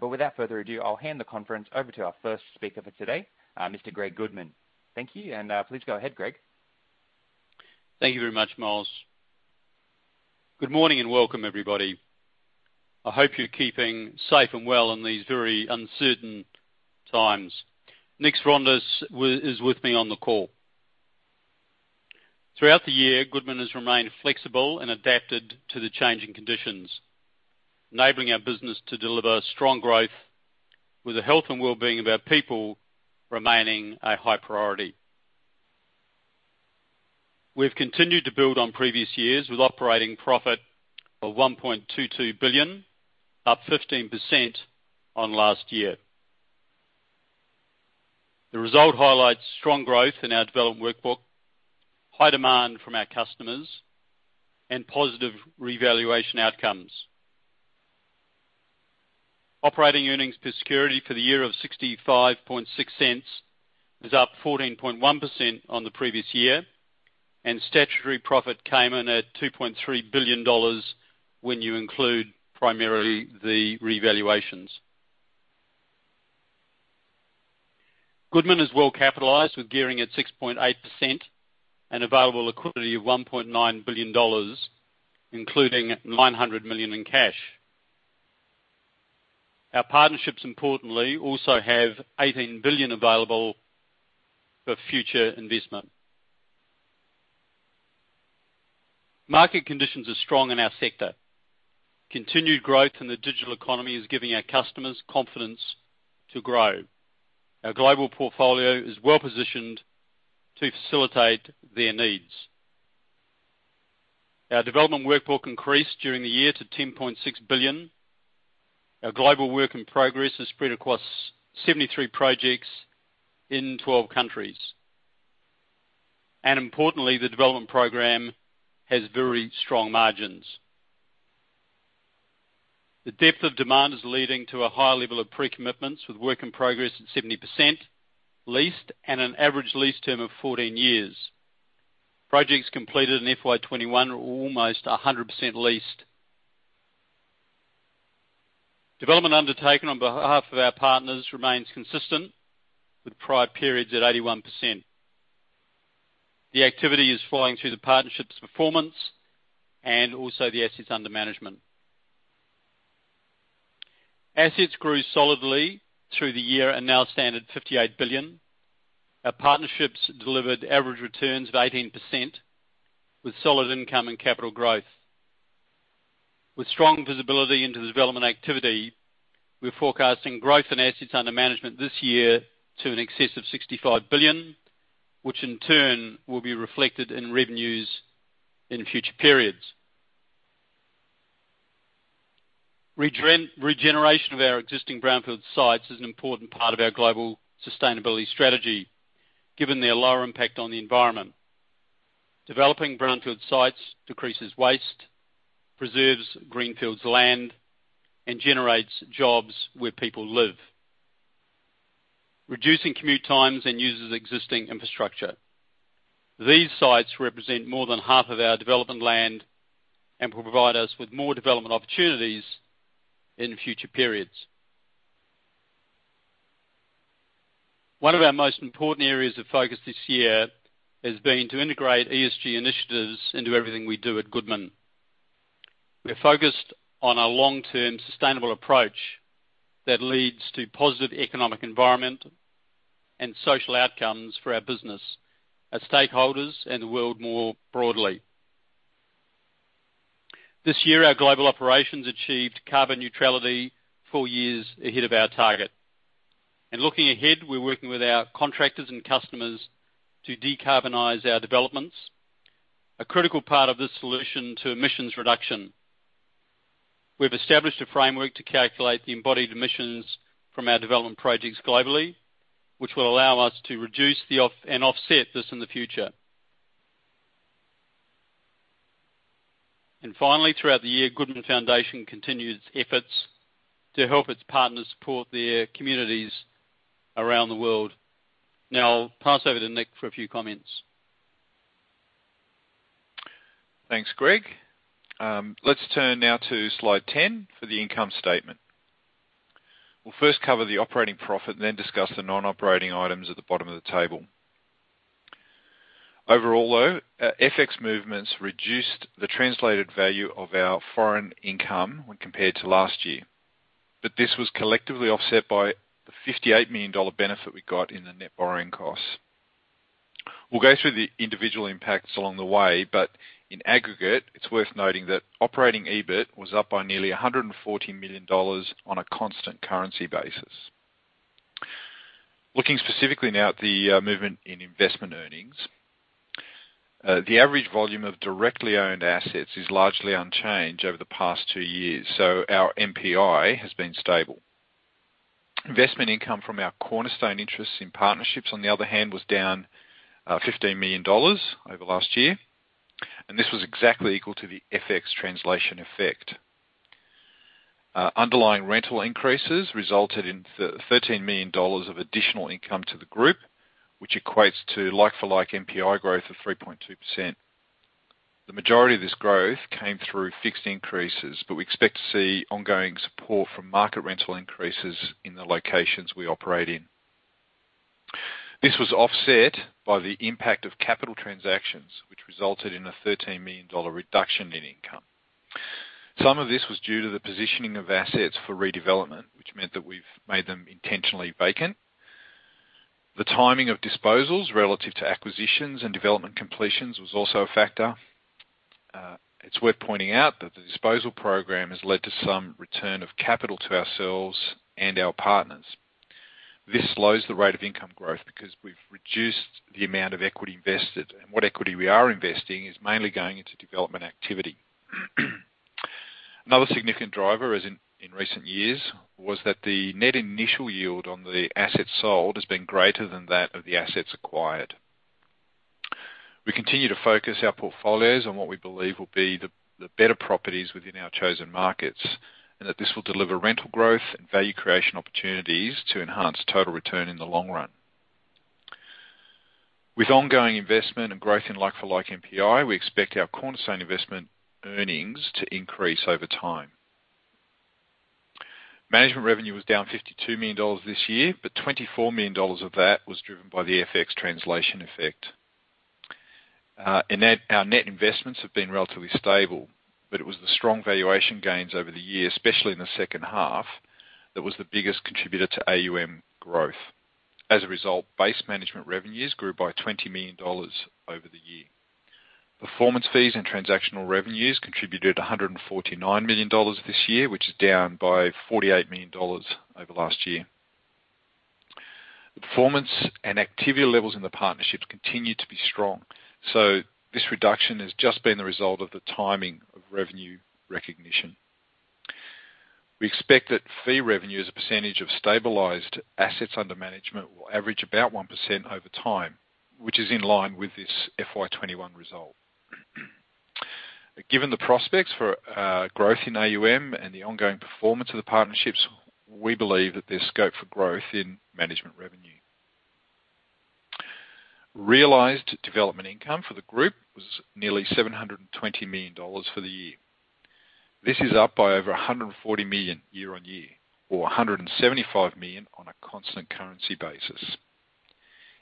Without further ado, I'll hand the conference over to our first speaker for today, Mr. Greg Goodman. Thank you, please go ahead, Greg. Thank you very much, Miles. Good morning and welcome, everybody. I hope you're keeping safe and well in these very uncertain times. Nick Vrondas is with me on the call. Throughout the year, Goodman has remained flexible and adapted to the changing conditions, enabling our business to deliver strong growth with the health and wellbeing of our people remaining a high priority. We've continued to build on previous years with operating profit of 1.22 billion, up 15% on last year. The result highlights strong growth in our development workbook, high demand from our customers, and positive revaluation outcomes. Operating earnings per security for the year of 0.656 is up 14.1% on the previous year, and statutory profit came in at 2.3 billion dollars when you include primarily the revaluations. Goodman is well capitalized with gearing at 6.8% and available liquidity of 1.9 billion dollars, including 900 million in cash. Our partnerships, importantly, also have 18 billion available for future investment. Market conditions are strong in our sector. Continued growth in the digital economy is giving our customers confidence to grow. Our global portfolio is well-positioned to facilitate their needs. Our development workbook increased during the year to 10.6 billion. Our global work in progress is spread across 73 projects in 12 countries. Importantly, the development program has very strong margins. The depth of demand is leading to a high level of pre-commitments, with work in progress at 70% leased and an average lease term of 14 years. Projects completed in FY 2021 are almost 100% leased. Development undertaken on behalf of our partners remains consistent with prior periods at 81%. The activity is flowing through the partnerships performance and also the assets under management. Assets grew solidly through the year and now stand at 58 billion. Our partnerships delivered average returns of 18%, with solid income and capital growth. With strong visibility into the development activity, we're forecasting growth in assets under management this year to in excess of 65 billion, which in turn will be reflected in revenues in future periods. Regeneration of our existing brownfield sites is an important part of our global sustainability strategy, given their lower impact on the environment. Developing brownfield sites decreases waste, preserves greenfield land, and generates jobs where people live, reducing commute times and uses existing infrastructure. These sites represent more than half of our development land and will provide us with more development opportunities in future periods. One of our most important areas of focus this year has been to integrate ESG initiatives into everything we do at Goodman. We're focused on a long-term sustainable approach that leads to positive economic environment and social outcomes for our business, our stakeholders, and the world more broadly. This year, our global operations achieved carbon neutrality four years ahead of our target. Looking ahead, we're working with our contractors and customers to decarbonize our developments, a critical part of this solution to emissions reduction. We've established a framework to calculate the embodied emissions from our development projects globally, which will allow us to reduce and offset this in the future. Finally, throughout the year, Goodman Foundation continued its efforts to help its partners support their communities around the world. Now, I'll pass over to Nick for a few comments. Thanks, Greg. Let's turn now to slide 10 for the income statement. We'll first cover the operating profit, then discuss the non-operating items at the bottom of the table. Overall, though, FX movements reduced the translated value of our foreign income when compared to last year. This was collectively offset by the AUD 58 million benefit we got in the net borrowing costs. We'll go through the individual impacts along the way, in aggregate, it's worth noting that operating EBIT was up by nearly 140 million dollars on a constant currency basis. Looking specifically now at the movement in investment earnings. The average volume of directly owned assets is largely unchanged over the past two years. Our NPI has been stable. Investment income from our cornerstone interests in partnerships, on the other hand, was down 15 million dollars over last year, and this was exactly equal to the FX translation effect. Underlying rental increases resulted in 13 million dollars of additional income to the group, which equates to like-for-like NPI growth of 3.2%. The majority of this growth came through fixed increases, but we expect to see ongoing support from market rental increases in the locations we operate in. This was offset by the impact of capital transactions, which resulted in a 13 million dollar reduction in income. Some of this was due to the positioning of assets for redevelopment, which meant that we've made them intentionally vacant. The timing of disposals relative to acquisitions and development completions was also a factor. It's worth pointing out that the disposal program has led to some return of capital to ourselves and our partners. This slows the rate of income growth because we've reduced the amount of equity invested, and what equity we are investing is mainly going into development activity. Another significant driver, as in recent years, was that the net initial yield on the assets sold has been greater than that of the assets acquired. We continue to focus our portfolios on what we believe will be the better properties within our chosen markets, and that this will deliver rental growth and value creation opportunities to enhance total return in the long run. With ongoing investment and growth in like-for-like NPI, we expect our cornerstone investment earnings to increase over time. Management revenue was down 52 million dollars this year, but 24 million dollars of that was driven by the FX translation effect. Our net investments have been relatively stable, but it was the strong valuation gains over the year, especially in the second half, that was the biggest contributor to AUM growth. As a result, base management revenues grew by 20 million dollars over the year. Performance fees and transactional revenues contributed 149 million dollars this year, which is down by 48 million dollars over last year. The performance and activity levels in the partnerships continue to be strong, this reduction has just been the result of the timing of revenue recognition. We expect that fee revenue as a percentage of stabilized assets under management, will average about 1% over time, which is in line with this FY 2021 result. Given the prospects for growth in AUM and the ongoing performance of the partnerships, we believe that there's scope for growth in management revenue. Realized development income for the group was nearly AUD 720 million for the year. This is up by over AUD 140 million year-on-year, or AUD 175 million on a constant currency basis.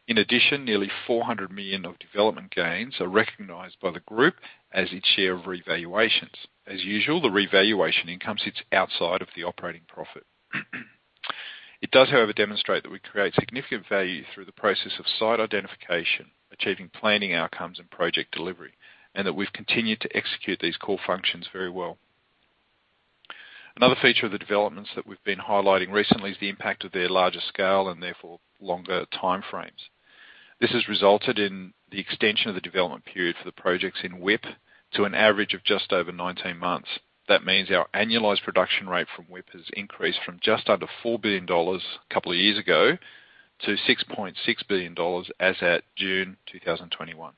In addition, nearly AUD 400 million of development gains are recognized by the group as its share of revaluations. As usual, the revaluation income sits outside of the operating profit. It does, however, demonstrate that we create significant value through the process of site identification, achieving planning outcomes, and project delivery, and that we've continued to execute these core functions very well. Another feature of the developments that we've been highlighting recently is the impact of their larger scale and therefore longer time frames. This has resulted in the extension of the development period for the projects in WIP to an average of just over 19 months. That means our annualized production rate from WIP has increased from just under 4 billion dollars a couple of years ago to 6.6 billion dollars as at June 2021.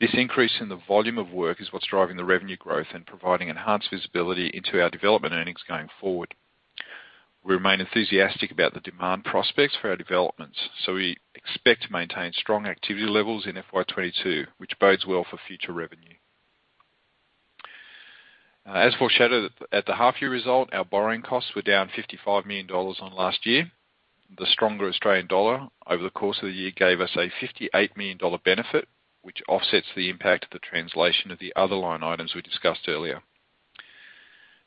This increase in the volume of work is what's driving the revenue growth and providing enhanced visibility into our development earnings going forward. We remain enthusiastic about the demand prospects for our developments, we expect to maintain strong activity levels in FY 2022, which bodes well for future revenue. As foreshadowed at the half year result, our borrowing costs were down 55 million dollars on last year. The stronger Australian dollar over the course of the year gave us an 58 million dollar benefit, which offsets the impact of the translation of the other line items we discussed earlier.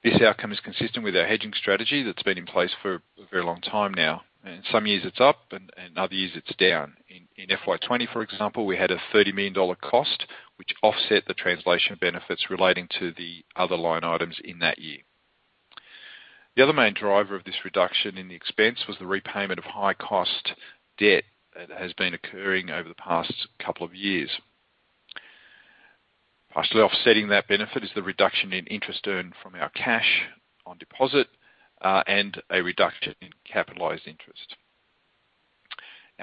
This outcome is consistent with our hedging strategy that's been in place for a very long time now, and some years it's up and other years it's down. In FY 2020, for example, we had an AUD 30 million cost, which offset the translation benefits relating to the other line items in that year. The other main driver of this reduction in the expense was the repayment of high cost debt that has been occurring over the past couple of years. Partially offsetting that benefit is the reduction in interest earned from our cash on deposit, and a reduction in capitalized interest.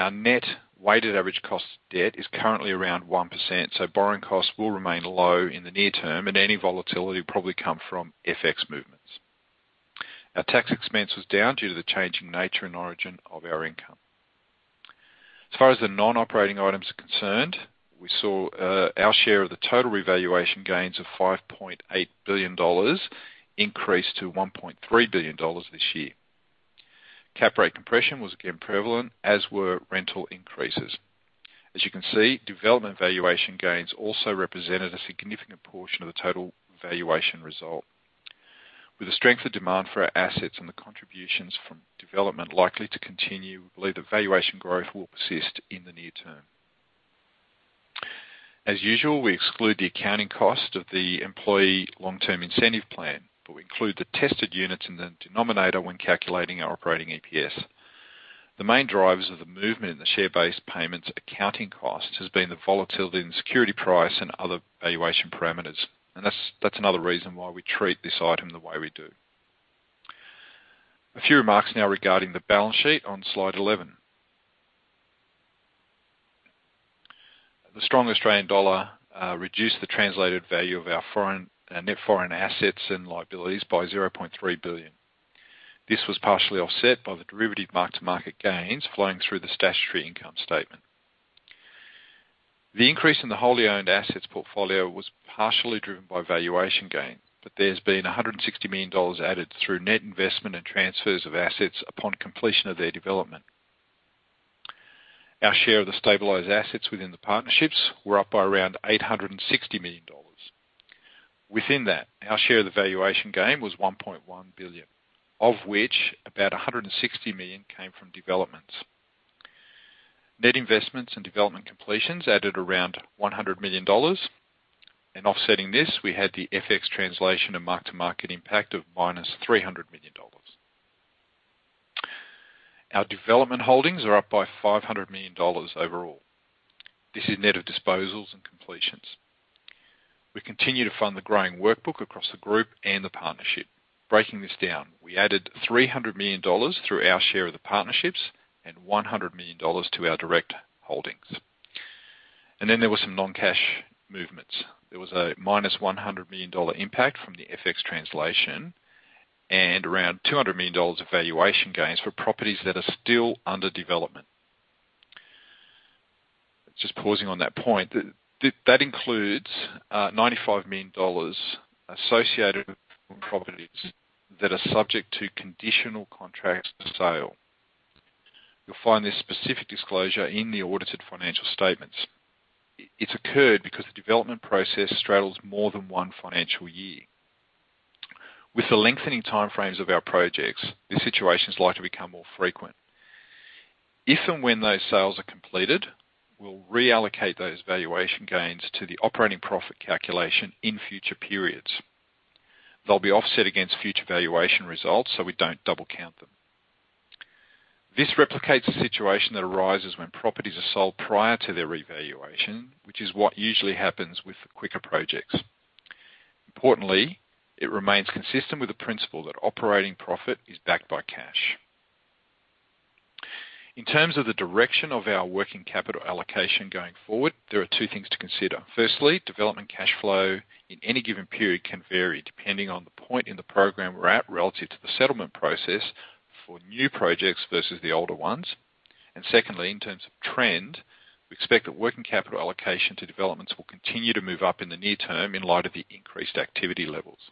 Our net weighted average cost of debt is currently around 1%, so borrowing costs will remain low in the near term, and any volatility will probably come from FX movements. Our tax expense was down due to the changing nature and origin of our income. As far as the non-operating items are concerned, we saw our share of the total revaluation gains of 5.8 billion dollars increase to 1.3 billion dollars this year. Cap rate compression was again prevalent, as were rental increases. As you can see, development valuation gains also represented a significant portion of the total valuation result. With the strength of demand for our assets and the contributions from development likely to continue, we believe that valuation growth will persist in the near term. As usual, we exclude the accounting cost of the employee long-term incentive plan, but we include the tested units in the denominator when calculating our operating EPS. The main drivers of the movement in the share-based payments accounting cost has been the volatility in security price and other valuation parameters. That's another reason why we treat this item the way we do. A few remarks now regarding the balance sheet on slide 11. The strong Australian dollar reduced the translated value of our net foreign assets and liabilities by 0.3 billion. This was partially offset by the derivative mark-to-market gains flowing through the statutory income statement. The increase in the wholly owned assets portfolio was partially driven by valuation gain, but there's been 160 million dollars added through net investment and transfers of assets upon completion of their development. Our share of the stabilized assets within the partnerships were up by around 860 million dollars. Within that, our share of the valuation gain was 1.1 billion, of which about 160 million came from developments. Net investments and development completions added around 100 million dollars. In offsetting this, we had the FX translation and mark-to-market impact of -300 million dollars. Our development holdings are up by 500 million dollars overall. This is net of disposals and completions. We continue to fund the growing workbook across the group and the partnership. Breaking this down, we added 300 million dollars through our share of the partnerships and 100 million dollars to our direct holdings. There were some non-cash movements. There was a -100 million dollar impact from the FX translation and around 200 million dollars of valuation gains for properties that are still under development. Just pausing on that point, that includes 95 million dollars associated with properties that are subject to conditional contracts for sale. You'll find this specific disclosure in the audited financial statements. It's occurred because the development process straddles more than one financial year. With the lengthening time frames of our projects, these situations are likely to become more frequent. If and when those sales are completed, we'll reallocate those valuation gains to the operating profit calculation in future periods. They'll be offset against future valuation results, so we don't double count them. This replicates a situation that arises when properties are sold prior to their revaluation, which is what usually happens with quicker projects. Importantly, it remains consistent with the principle that operating profit is backed by cash. In terms of the direction of our working capital allocation going forward, there are two things to consider. Firstly, development cash flow in any given period can vary depending on the point in the program we're at relative to the settlement process for new projects versus the older ones. Secondly, in terms of trend, we expect that working capital allocation to developments will continue to move up in the near term in light of the increased activity levels.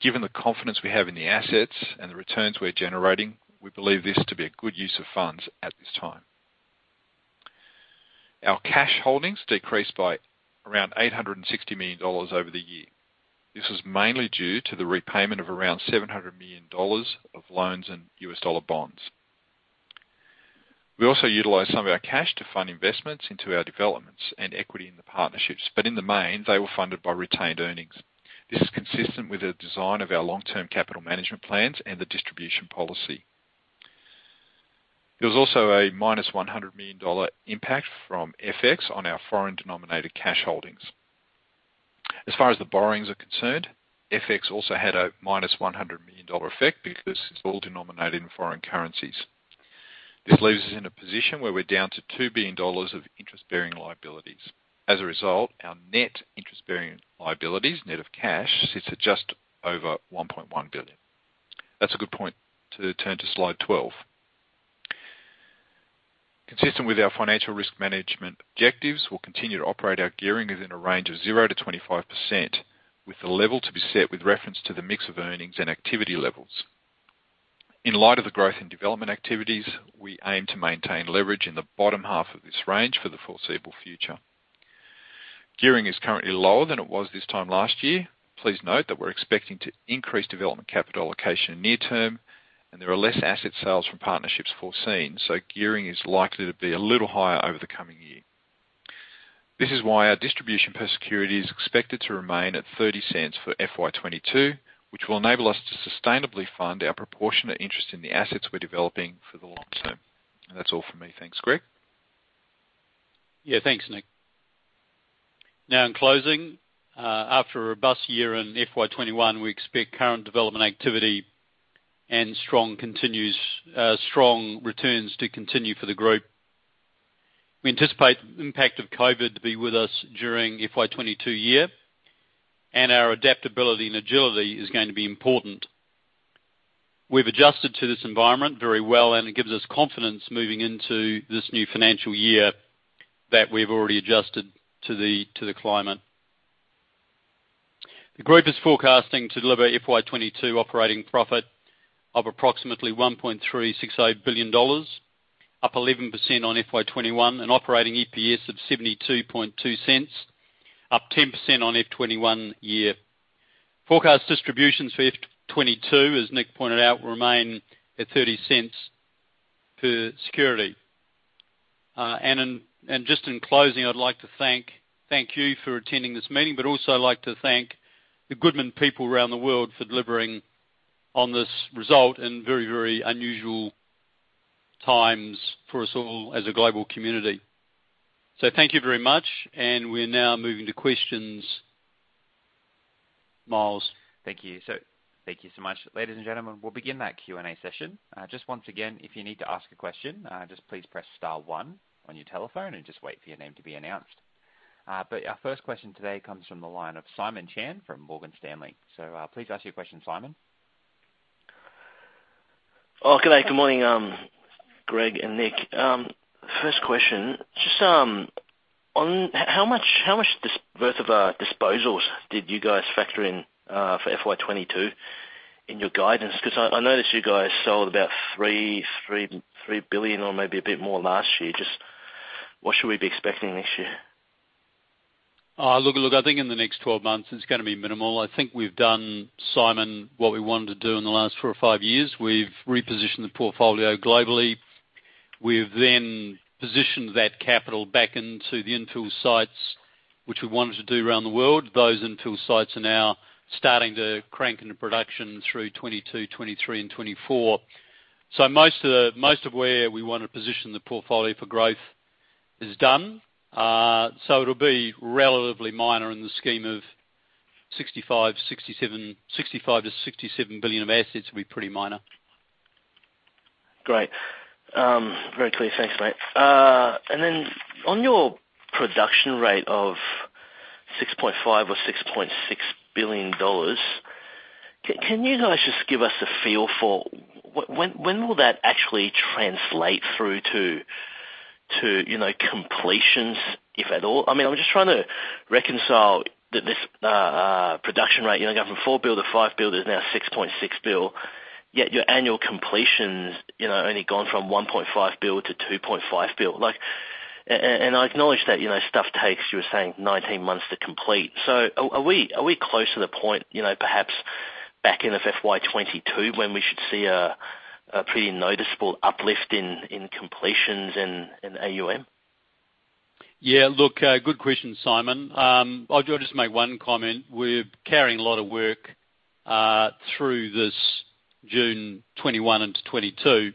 Given the confidence we have in the assets and the returns we're generating, we believe this to be a good use of funds at this time. Our cash holdings decreased by around 860 million dollars over the year. This was mainly due to the repayment of around 700 million dollars of loans and US dollars bonds. We also utilized some of our cash to fund investments into our developments and equity in the partnerships, but in the main, they were funded by retained earnings. This is consistent with the design of our long-term capital management plans and the distribution policy. There was also a -100 million dollar impact from FX on our foreign denominated cash holdings. As far as the borrowings are concerned, FX also had a -100 million dollar effect because it's all denominated in foreign currencies. This leaves us in a position where we're down to 2 billion dollars of interest-bearing liabilities. As a result, our net interest-bearing liabilities, net of cash, sits at just over 1.1 billion. That's a good point to turn to slide 12. Consistent with our financial risk management objectives, we'll continue to operate our gearing within a range of 0%-25%, with the level to be set with reference to the mix of earnings and activity levels. In light of the growth in development activities, we aim to maintain leverage in the bottom half of this range for the foreseeable future. Gearing is currently lower than it was this time last year. Please note that we're expecting to increase development capital allocation in near term, and there are less asset sales from partnerships foreseen, so gearing is likely to be a little higher over the coming year. This is why our distribution per security is expected to remain at 0.30 for FY 2022, which will enable us to sustainably fund our proportionate interest in the assets we're developing for the long term. That's all from me. Thanks. Greg? Thanks, Nick. In closing, after a robust year in FY 2021, we expect current development activity and strong returns to continue for the group. We anticipate the impact of COVID to be with us during FY 2022 year, and our adaptability and agility is going to be important. We've adjusted to this environment very well, and it gives us confidence moving into this new financial year that we've already adjusted to the climate. The group is forecasting to deliver FY 2022 operating profit of approximately 1.368 billion dollars, up 11% on FY 2021, and operating EPS of 0.722, up 10% on FY 2021 year. Forecast distributions for FY 2022, as Nick pointed out, will remain at 0.30 per security. Just in closing, I'd like to thank you for attending this meeting, but also I'd like to thank the Goodman people around the world for delivering on this result in very unusual times for us all as a global community. Thank you very much, and we are now moving to questions. Miles? Thank you so much. Ladies and gentlemen, we'll begin that Q&A session. Once again, if you need to ask a question, please press star one on your telephone and wait for your name to be announced. Our first question today comes from the line of Simon Chan from Morgan Stanley. Please ask your question, Simon. Good day. Good morning, Greg and Nick. First question, just on how much worth of disposals did you guys factor in for FY 2022 in your guidance? I noticed you guys sold about 3 billion or maybe a bit more last year. Just what should we be expecting this year? I think in the next 12 months it's going to be minimal. I think we've done, Simon, what we wanted to do in the last four or five years. We've repositioned the portfolio globally. We've positioned that capital back into the infill sites, which we wanted to do around the world. Those infill sites are now starting to crank into production through 2022, 2023, and 2024. Most of where we want to position the portfolio for growth is done. It'll be relatively minor in the scheme of 65 billion-67 billion of assets, it will be pretty minor. Great. Very clear. Thanks, mate. Then on your production rate of 6.5 billion-6.6 billion dollars, can you guys just give us a feel for when will that actually translate through to completions, if at all? I'm just trying to reconcile this production rate, going from 4 billion-5 billion, there's now 6.6 billion, yet your annual completions only gone from 1.5 billion-2.5 billion. I acknowledge that stuff takes, you were saying 19 months to complete. Are we close to the point, perhaps back end of FY 2022, when we should see a pretty noticeable uplift in completions in AUM? Good question, Simon. I'll just make one comment. We're carrying a lot of work through this June 2021 into 2022.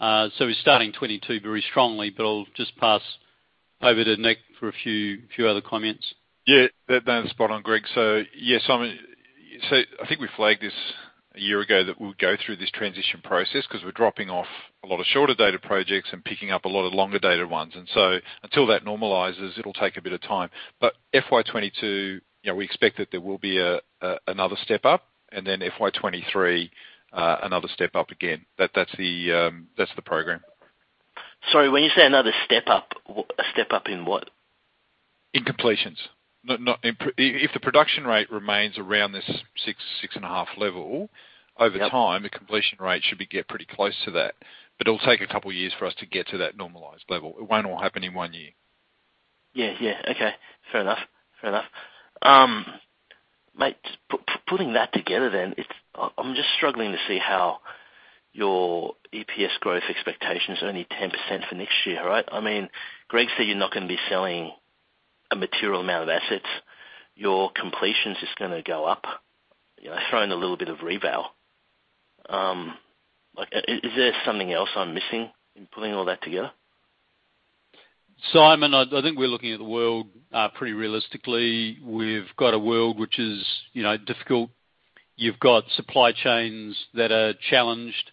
We're starting 2022 very strongly. I'll just pass over to Nick for a few other comments. Yeah, that was spot on, Greg. Yeah, Simon, I think I flagged this one year ago that we'll go through this transition process because we're dropping off a lot of shorter-dated projects and picking up a lot of longer-dated ones. Until that normalizes, it'll take a bit of time. FY 2022, we expect that there will be another step up, FY 2023, another step up again. That's the program. Sorry, when you say another step up, a step up in what? In completions. If the production rate remains around this 6.5 level- Yep over time, the completion rate should be get pretty close to that. It'll take a couple of years for us to get to that normalized level. It won't all happen in one year. Yeah. Okay. Fair enough. Mate, just putting that together then, I'm just struggling to see how your EPS growth expectation is only 10% for next year, right? Greg said you're not going to be selling a material amount of assets. Your completions is going to go up, throwing a little bit of reval. Is there something else I'm missing in putting all that together? Simon, I think we're looking at the world pretty realistically. We've got a world which is difficult. You've got supply chains that are challenged.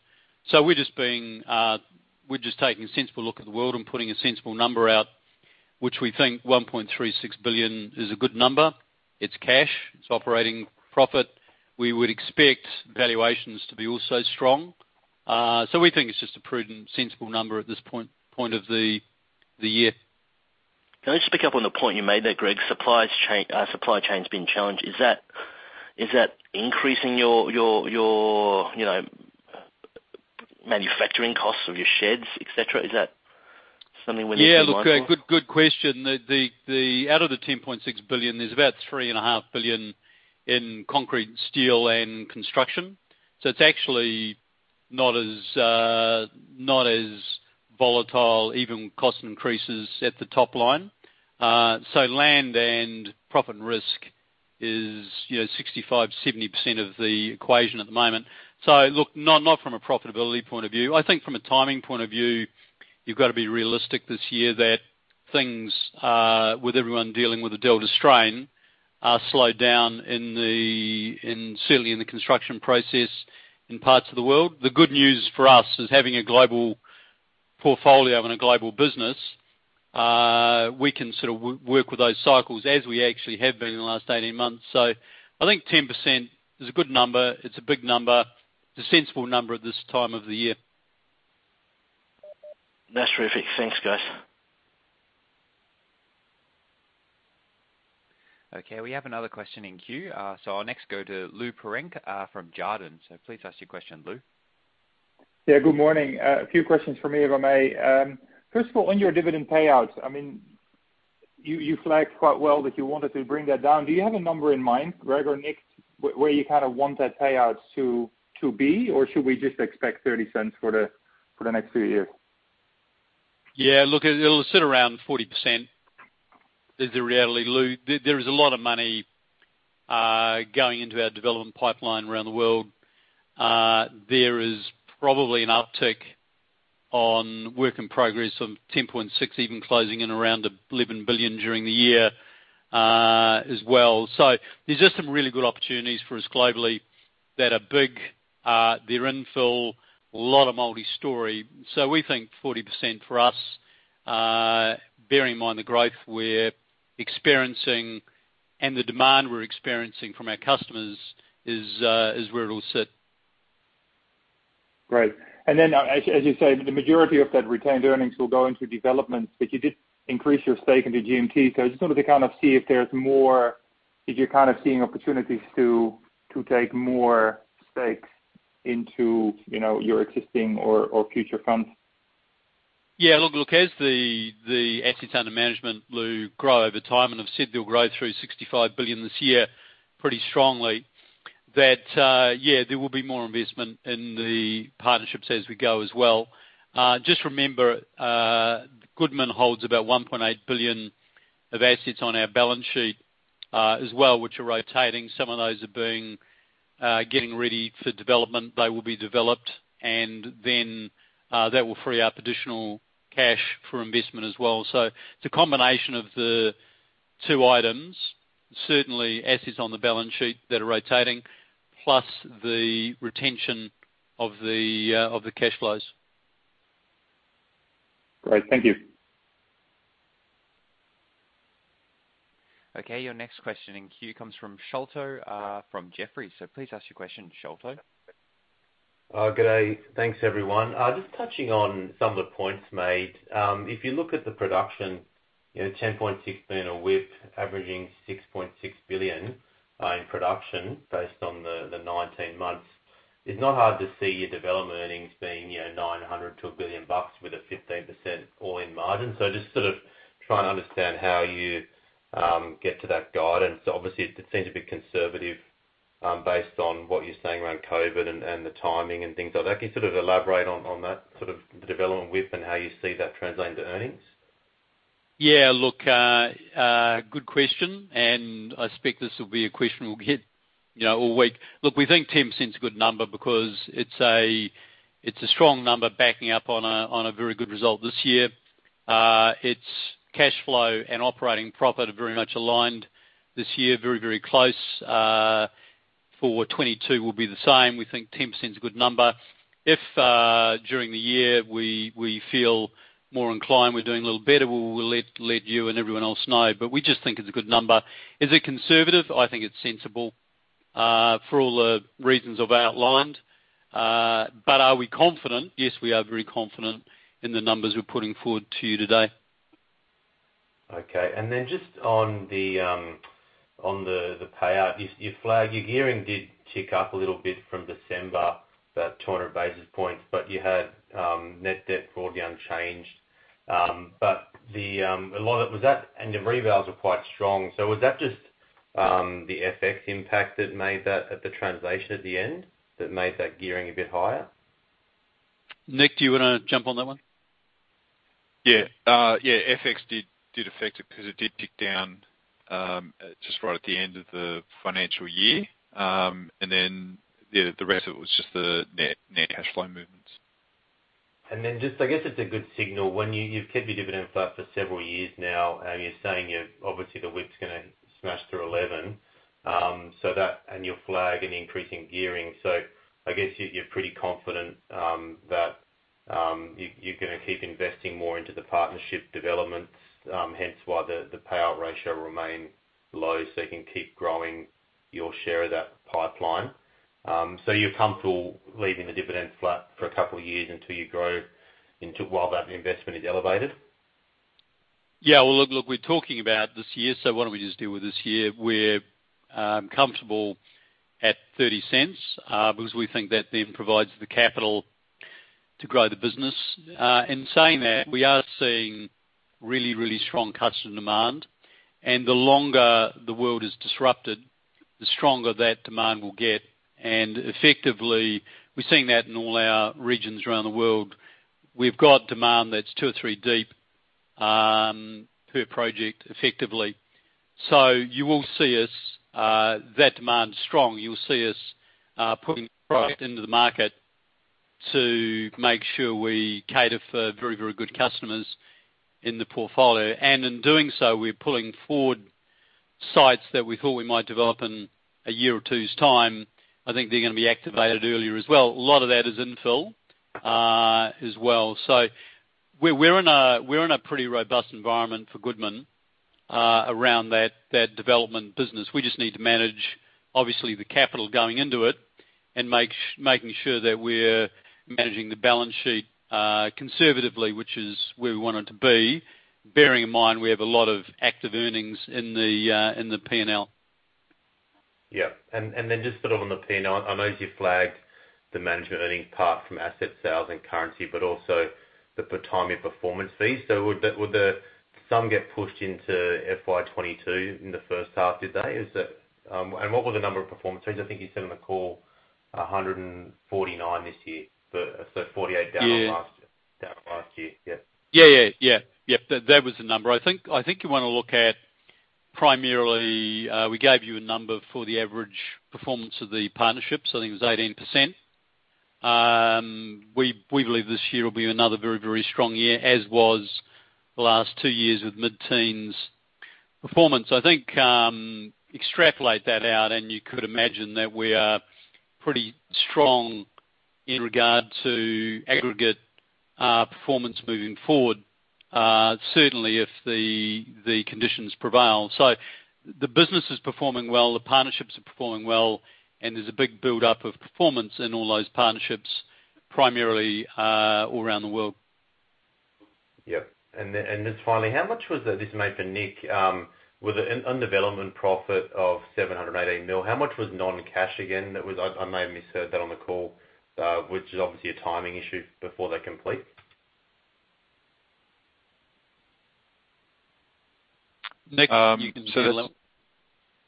We're just taking a sensible look at the world and putting a sensible number out, which we think 1.36 billion is a good number. It's cash, it's operating profit. We would expect valuations to be also strong. We think it's just a prudent, sensible number at this point of the year. Can I just pick up on the point you made there, Greg? Supply chain's been challenged. Is that increasing your manufacturing costs of your sheds, et cetera? Is that something we need to be mindful? Yeah, look, good question. Out of the 10.6 billion, there's about 3.5 billion in concrete and steel and construction. It's actually not as volatile, even cost increases at the top line. Land and profit and risk is 65%-70% of the equation at the moment. Look, not from a profitability point of view. I think from a timing point of view, you've got to be realistic this year that things, with everyone dealing with the Delta variant, are slowed down certainly in the construction process in parts of the world. The good news for us is having a global portfolio and a global business, we can sort of work with those cycles as we actually have been in the last 18 months. I think 10% is a good number. It's a big number. It's a sensible number at this time of the year. That's terrific. Thanks, guys. Okay, we have another question in queue. I'll next go to Lou Pirenc from Jarden. Please ask your question, Lou. Yeah, good morning. A few questions from me, if I may. First of all, on your dividend payout, I mean, you flagged quite well that you wanted to bring that down. Do you have a number in mind, Greg or Nick, where you kind of want that payout to be, or should we just expect 0.30 for the next few years? Yeah, look, it'll sit around 40%, is the reality, Lou. There is a lot of money going into our development pipeline around the world. There is probably an uptick on work in progress of 10.6 billion, even closing in around 11 billion during the year as well. There's just some really good opportunities for us globally that are big. They're infill, a lot of multi-storey. We think 40% for us, bearing in mind the growth we're experiencing and the demand we're experiencing from our customers, is where it'll sit. Great. As you say, the majority of that retained earnings will go into development, but you did increase your stake into GMT. I just wanted to see if you're seeing opportunities to take more stakes into your existing or future funds. Yeah, look, as the assets under management, Lou, grow over time, and I've said they'll grow through 65 billion this year pretty strongly, yeah, there will be more investment in the partnerships as we go as well. Just remember, Goodman holds about 1.8 billion of assets on our balance sheet as well, which are rotating. Some of those are getting ready for development. They will be developed, and then that will free up additional cash for investment as well. It's a combination of the two items. Certainly assets on the balance sheet that are rotating plus the retention of the cash flows. Great. Thank you. Okay, your next question in queue comes from Sholto from Jefferies. Please ask your question, Sholto. G'day. Thanks everyone. Just touching on some of the points made. If you look at the production, 10.6 billion of WIP averaging 6.6 billion in production based on the 19 months, it's not hard to see your development earnings being 900 million-1 billion bucks with a 15% all-in margin. Just trying to understand how you get to that guidance. Obviously, it seems a bit conservative, based on what you're saying around COVID and the timing and things like that. Can you elaborate on that, the development work and how you see that translating to earnings? Yeah. Look, good question. I suspect this will be a question we'll get all week. Look, we think 10% is a good number because it's a strong number backing up on a very good result this year. Its cash flow and operating profit are very much aligned this year, very close. For 2022 will be the same. We think 10% is a good number. If during the year we feel more inclined, we're doing a little better, we'll let you and everyone else know. We just think it's a good number. Is it conservative? I think it's sensible for all the reasons I've outlined. Are we confident? Yes, we are very confident in the numbers we're putting forward to you today. Okay, just on the payout. Your gearing did tick up a little bit from December, about 200 basis points, but you had net debt broad unchanged. Your revals were quite strong. Was that just the FX impact that made that at the translation at the end that made that gearing a bit higher? Nick, do you want to jump on that one? Yeah. FX did affect it because it did tick down just right at the end of the financial year. The rest of it was just the net cash flow movements. I guess it's a good signal when you've kept your dividend flat for several years now, and you're saying, obviously, the WIP's gonna smash through 11 billion, and your flag in increasing gearing. I guess you're pretty confident that you're gonna keep investing more into the partnership developments, hence why the payout ratio will remain low so you can keep growing your share of that pipeline. You're comfortable leaving the dividend flat for a couple of years until you grow into while that investment is elevated? Yeah. Well, look, we're talking about this year, why don't we just deal with this year? We're comfortable at 0.30, because we think that then provides the capital to grow the business. In saying that, we are seeing really strong customer demand, the longer the world is disrupted, the stronger that demand will get. Effectively, we're seeing that in all our regions around the world. We've got demand that's two or three deep per project, effectively. That demand's strong. You'll see us putting product into the market to make sure we cater for very good customers in the portfolio. In doing so, we're pulling forward sites that we thought we might develop in a year or two's time. I think they're gonna be activated earlier as well. A lot of that is infill, as well. We're in a pretty robust environment for Goodman around that development business. We just need to manage, obviously, the capital going into it and making sure that we're managing the balance sheet conservatively, which is where we want it to be, bearing in mind we have a lot of active earnings in the P&L. Yeah. Then just on the P&L, I noticed you flagged the management earnings apart from asset sales and currency, but also the timing of performance fees. Would the sum get pushed into FY 2022 in the first half, did they? What were the number of performance fees? I think you said on the call 149 million this year. 48 million down. Yeah from last year. Yeah. Yeah. That was the number. I think you want to look at primarily, we gave you a number for the average performance of the partnerships. I think it was 18%. We believe this year will be another very strong year, as was the last two years with mid-teens performance. I think extrapolate that out and you could imagine that we are pretty strong in regard to aggregate performance moving forward, certainly if the conditions prevail. The business is performing well, the partnerships are performing well, and there's a big buildup of performance in all those partnerships, primarily all around the world. Yep. Just finally, this may be for Nick, with an undevelopment profit of 780 million, how much was non-cash again? I may have misheard that on the call, which is obviously a timing issue before they complete. Nick, you can take that one.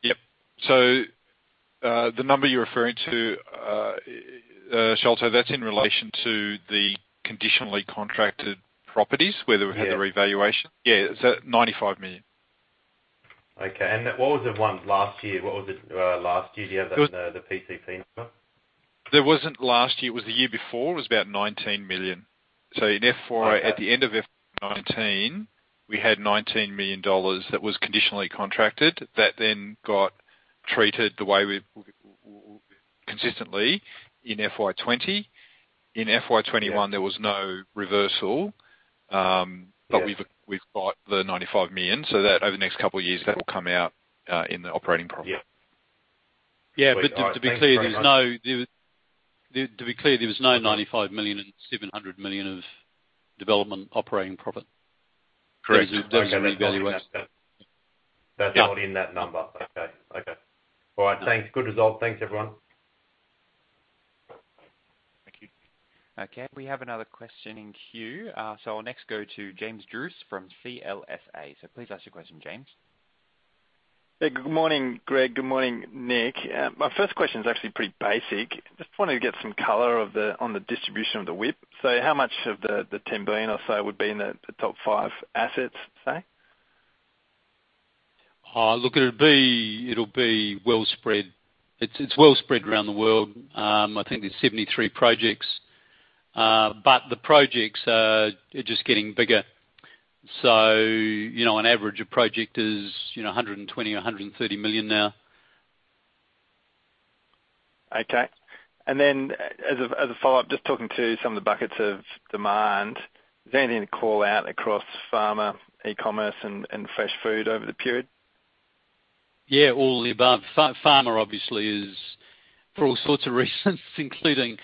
Yep. The number you're referring to, Sholto, that's in relation to the conditionally contracted properties- Yeah where we had the revaluation. Yeah, it's at 95 million. Okay. What was it last year? Do you have the PCP number? There wasn't last year. It was the year before. It was about 19 million. At the end of FY 2019, we had 19 million dollars that was conditionally contracted that then got treated the way we've consistently in FY 2020. In FY 2021- Yeah there was no reversal. Yeah. We've got the 95 million, so that over the next couple of years, that will come out in the operating profit. Yeah. All right. Thanks very much. Yeah. To be clear, there was no 95 million in 700 million of development operating profit. Correct. Those are the revaluations. That's not in that number. Okay. All right, thanks. Good result. Thanks, everyone. Thank you. Okay, we have another question in queue. I'll next go to James Druce from CLSA. Please ask your question, James. Hey, good morning, Greg. Good morning, Nick. My first question is actually pretty basic. Wanted to get some color on the distribution of the WIP. How much of the 10 billion or so would be in the top five assets, say? Look, it'll be well spread. It's well spread around the world. I think there's 73 projects. The projects are just getting bigger. An average project is 120 million or 130 million now. Okay. As a follow-up, just talking to some of the buckets of demand, is there anything to call out across pharma, e-commerce, and fresh food over the period? Yeah, all of the above. Pharma obviously is for all sorts of reasons, including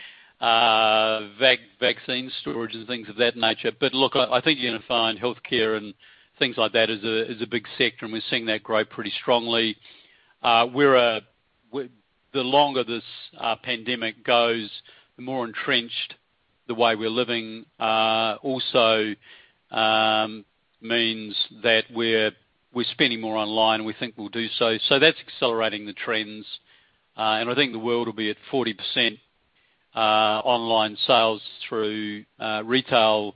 vaccine storage and things of that nature. Look, I think you're going to find healthcare and things like that as a big sector, and we're seeing that grow pretty strongly. The longer this pandemic goes, the more entrenched the way we're living, also means that we're spending more online, and we think we'll do so. That's accelerating the trends. I think the world will be at 40% online sales through retail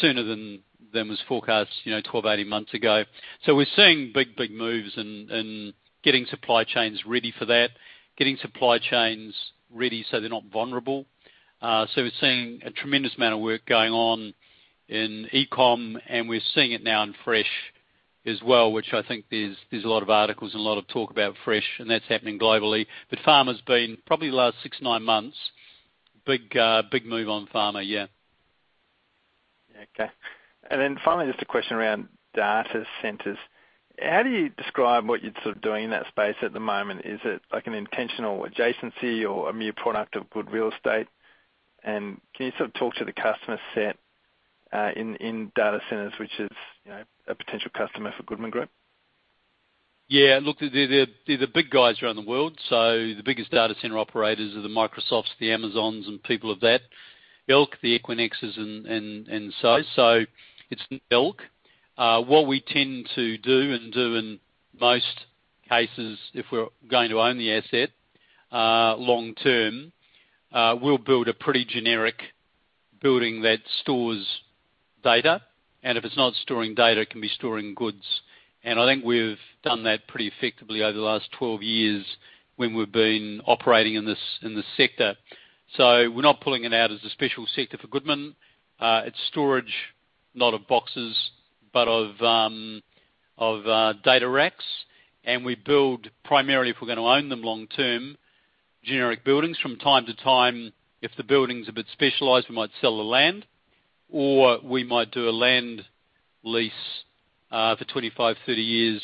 sooner than was forecast 12, 18 months ago. We're seeing big moves in getting supply chains ready for that, getting supply chains ready so they're not vulnerable. We're seeing a tremendous amount of work going on in e-com, and we're seeing it now in fresh as well, which I think there's a lot of articles and a lot of talk about fresh, and that's happening globally. Pharma's been probably the last six, nine months, a big move on pharma, yeah. Okay. Finally, just a question around data centers. How do you describe what you're doing in that space at the moment? Is it an intentional adjacency or a mere product of good real estate? Can you talk to the customer set in data centers, which is a potential customer for Goodman Group? Yeah, look, there are big guys around the world. The biggest data center operators are the Microsoft, the Amazon, and people of that ilk, the Equinix. It's an ilk. What we tend to do and do in most cases, if we're going to own the asset long-term, we'll build a pretty generic building that stores data, and if it's not storing data, it can be storing goods. I think we've done that pretty effectively over the last 12 years when we've been operating in this sector. We're not pulling it out as a special sector for Goodman. It's storage, not of boxes, but of data racks. We build primarily, if we're going to own them long term, generic buildings. From time to time, if the building's a bit specialized, we might sell the land or we might do a land lease for 25-30 years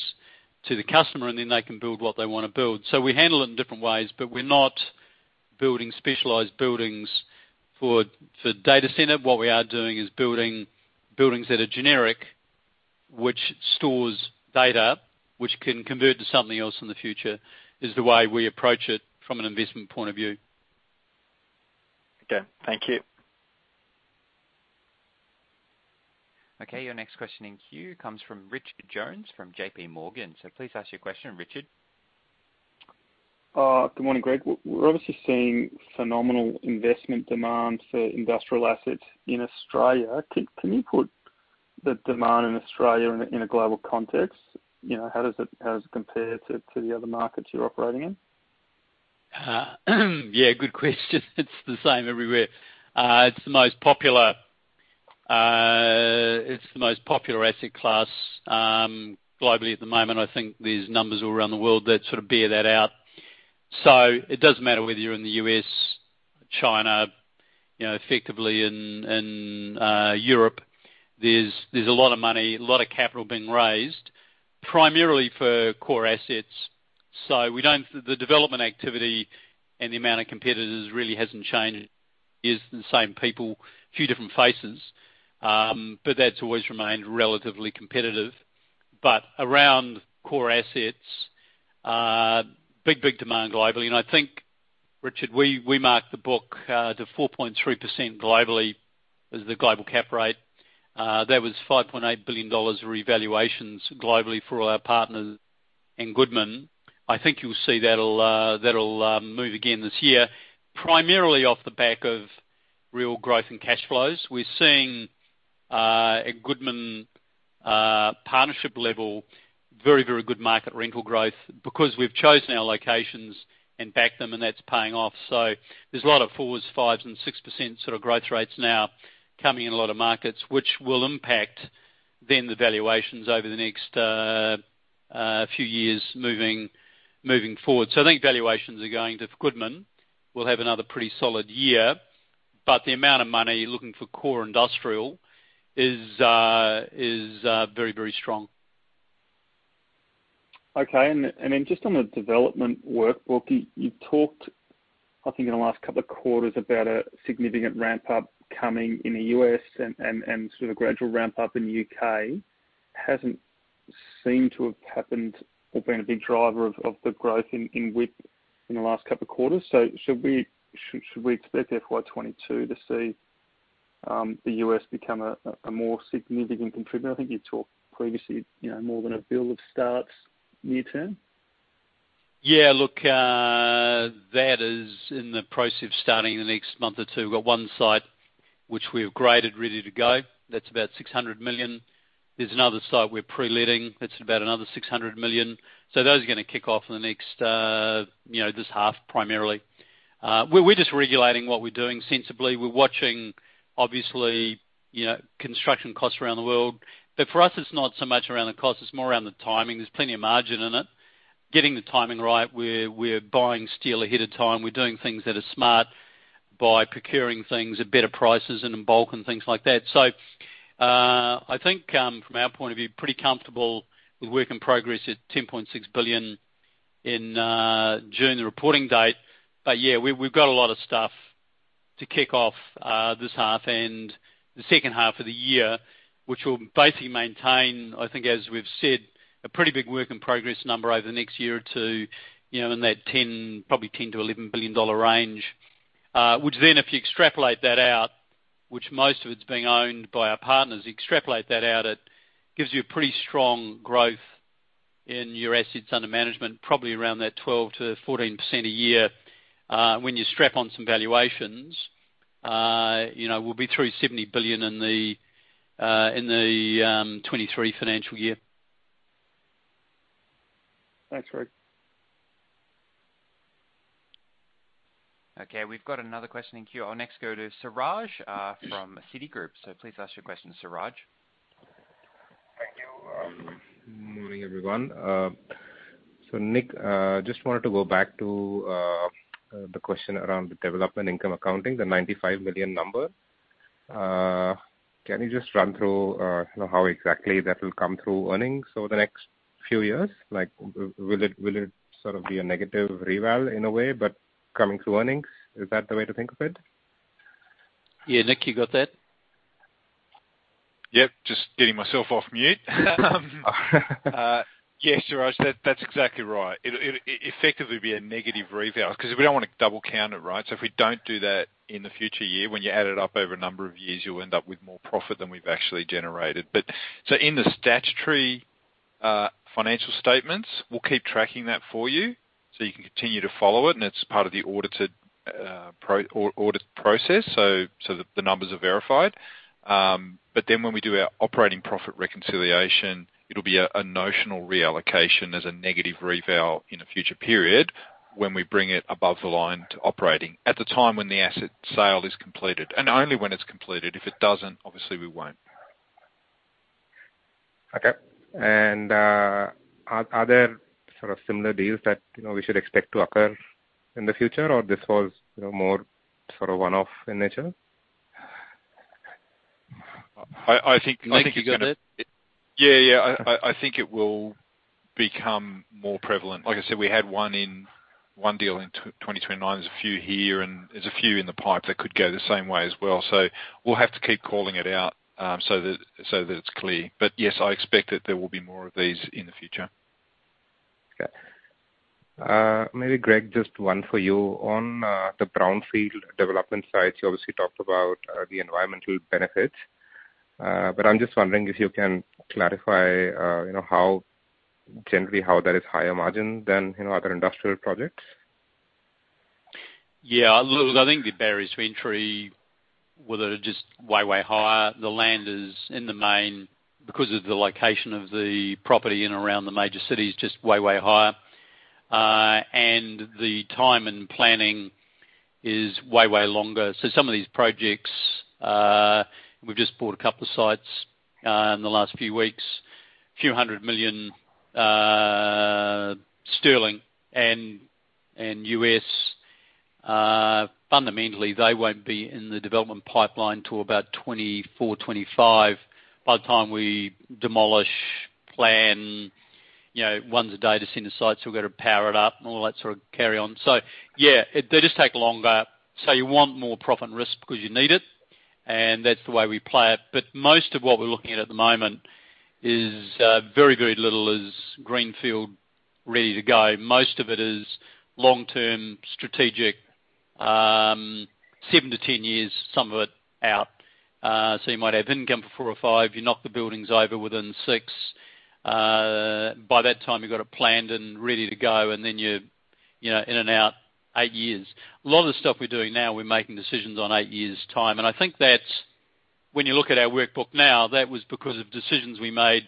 to the customer, and then they can build what they want to build. We handle it in different ways, but we're not building specialized buildings for data center. What we are doing is building buildings that are generic, which stores data, which can convert to something else in the future, is the way we approach it from an investment point of view. Okay. Thank you. Okay, your next question in queue comes from Richard Jones from JPMorgan. Please ask your question, Richard. Good morning, Greg. We're obviously seeing phenomenal investment demand for industrial assets in Australia. Can you put the demand in Australia in a global context? How does it compare to the other markets you're operating in? Yeah, good question. It's the same everywhere. It's the most popular asset class globally at the moment. I think there's numbers all around the world that sort of bear that out. It doesn't matter whether you're in the U.S., China, effectively in Europe, there's a lot of money, a lot of capital being raised, primarily for core assets. The development activity and the amount of competitors really hasn't changed. It's the same people, a few different faces, but that's always remained relatively competitive. Around core assets, big demand globally, and I think, Richard, we marked the book to 4.3% globally as the global cap rate. That was 5.8 billion dollars of revaluations globally for all our partners in Goodman. I think you'll see that'll move again this year, primarily off the back of real growth and cash flows. We're seeing, at Goodman partnership level, very good market rental growth because we've chosen our locations and backed them, and that's paying off. There's a lot of 4%, 5%, and 6% sort of growth rates now coming in a lot of markets, which will impact then the valuations over the next few years moving forward. I think valuations are going to, for Goodman, will have another pretty solid year, but the amount of money looking for core industrial is very strong. Okay. Just on the development workbook, you talked, I think, in the last couple of quarters about a significant ramp-up coming in the U.S. and sort of a gradual ramp-up in the U.K. Hasn't seemed to have happened or been a big driver of the growth in WIP in the last couple of quarters. Should we expect FY 2022 to see the U.S. become a more significant contributor? I think you talked previously more than AUD 1 billion of starts near-term. Yeah, look, that is in the process of starting in the next month or two. We've got 1 site which we've graded, ready to go. That's about 600 million. There's another site we're pre-letting that's about another 600 million. Those are going to kick off this half primarily. We're just regulating what we're doing sensibly. We're watching, obviously, construction costs around the world. For us, it's not so much around the cost, it's more around the timing. There's plenty of margin in it. Getting the timing right where we're buying steel ahead of time. We're doing things that are smart by procuring things at better prices and in bulk and things like that. I think from our point of view, pretty comfortable with work in progress at 10.6 billion in June, the reporting date. Yeah, we've got a lot of stuff to kick off this half and the second half of the year, which will basically maintain, I think as we've said, a pretty big work-in-progress number over the next year or two, in that probably 10 billion-11 billion dollar range. Then if you extrapolate that out, which most of it's being owned by our partners, extrapolate that out, it gives you a pretty strong growth in your assets under management, probably around that 12%-14% a year. When you strap on some valuations, we'll be through 70 billion in the 2023 financial year. Thanks, Greg. Okay, we've got another question in queue. I'll next go to Suraj from Citigroup. Please ask your question, Suraj. Thank you. Morning, everyone. Nick, just wanted to go back to the question around the development income accounting, the 95 million number. Can you just run through how exactly that will come through earnings over the next few years? Will it be a negative reval in a way, but coming through earnings? Is that the way to think of it? Yeah. Nick, you got that? Yep. Just getting myself off mute. Yeah, Suraj, that's exactly right. It'll effectively be a negative reval because we don't want to double count it, right? If we don't do that in the future year, when you add it up over a number of years, you'll end up with more profit than we've actually generated. In the statutory financial statements, we'll keep tracking that for you so you can continue to follow it, and it's part of the audit process so that the numbers are verified. When we do our operating profit reconciliation, it'll be a notional reallocation as a negative reval in a future period when we bring it above the line to operating at the time when the asset sale is completed, and only when it's completed. If it doesn't, obviously we won't. Okay. Are there similar deals that we should expect to occur in the future, or this was more one-off in nature? I think it's gonna- Nick, you got that? Yeah. I think it will become more prevalent. Like I said, we had one deal in FY 2020. There's a few here and there's a few in the pipe that could go the same way as well. We'll have to keep calling it out so that it's clear. Yes, I expect that there will be more of these in the future. Okay. Maybe, Greg, just one for you. On the brownfield development sites, you obviously talked about the environmental benefits. I'm just wondering if you can clarify generally how that is higher margin than other industrial projects? Look, I think the barriers to entry with it are just way higher. The land is, in the main, because of the location of the property in and around the major cities, just way higher. The time and planning is way longer. Some of these projects, we've just bought a couple of sites in the last few weeks, a few hundred million British pounds and US dollars. Fundamentally, they won't be in the development pipeline till about 2024, 2025 by the time we demolish, plan. One's a data center site, so we've got to power it up and all that sort of carry on. They just take longer. You want more profit and risk because you need it, and that's the way we play it. Most of what we're looking at at the moment is very, very little is greenfield, ready to go. Most of it is long-term, strategic, 7-10 years, some of it out. You might have income for four or five. You knock the buildings over within six. By that time, you've got it planned and ready to go, and then you're in and out eight years. A lot of the stuff we're doing now, we're making decisions on eight years' time. I think that when you look at our workbook now, that was because of decisions we made,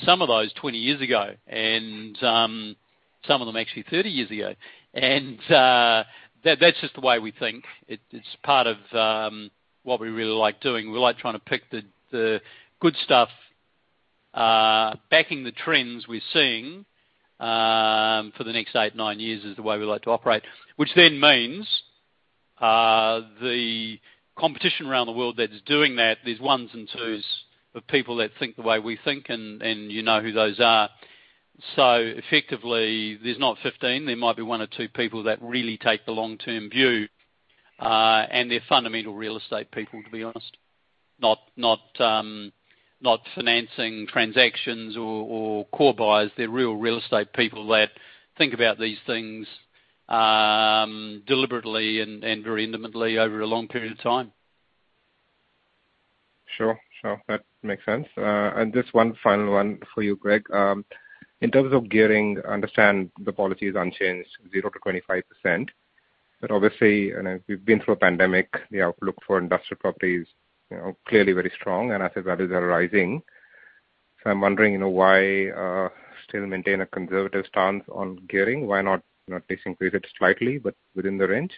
some of those 20 years ago, and some of them actually 30 years ago. That's just the way we think. It's part of what we really like doing. We like trying to pick the good stuff. Backing the trends we're seeing for the next eight to nine years is the way we like to operate. Which then means, the competition around the world that is doing that, there's ones and twos of people that think the way we think, and you know who those are. Effectively, there's not 15. There might be one or two people that really take the long-term view, and they're fundamental real estate people, to be honest, not financing transactions or core buyers. They're real estate people that think about these things deliberately and very intimately over a long period of time. Sure. That makes sense. Just one final one for you, Greg. In terms of gearing, I understand the policy is unchanged, 0%-25%. Obviously, we've been through a pandemic. The outlook for industrial property is clearly very strong, and asset values are rising. I'm wondering why still maintain a conservative stance on gearing. Why not just increase it slightly, but within the range?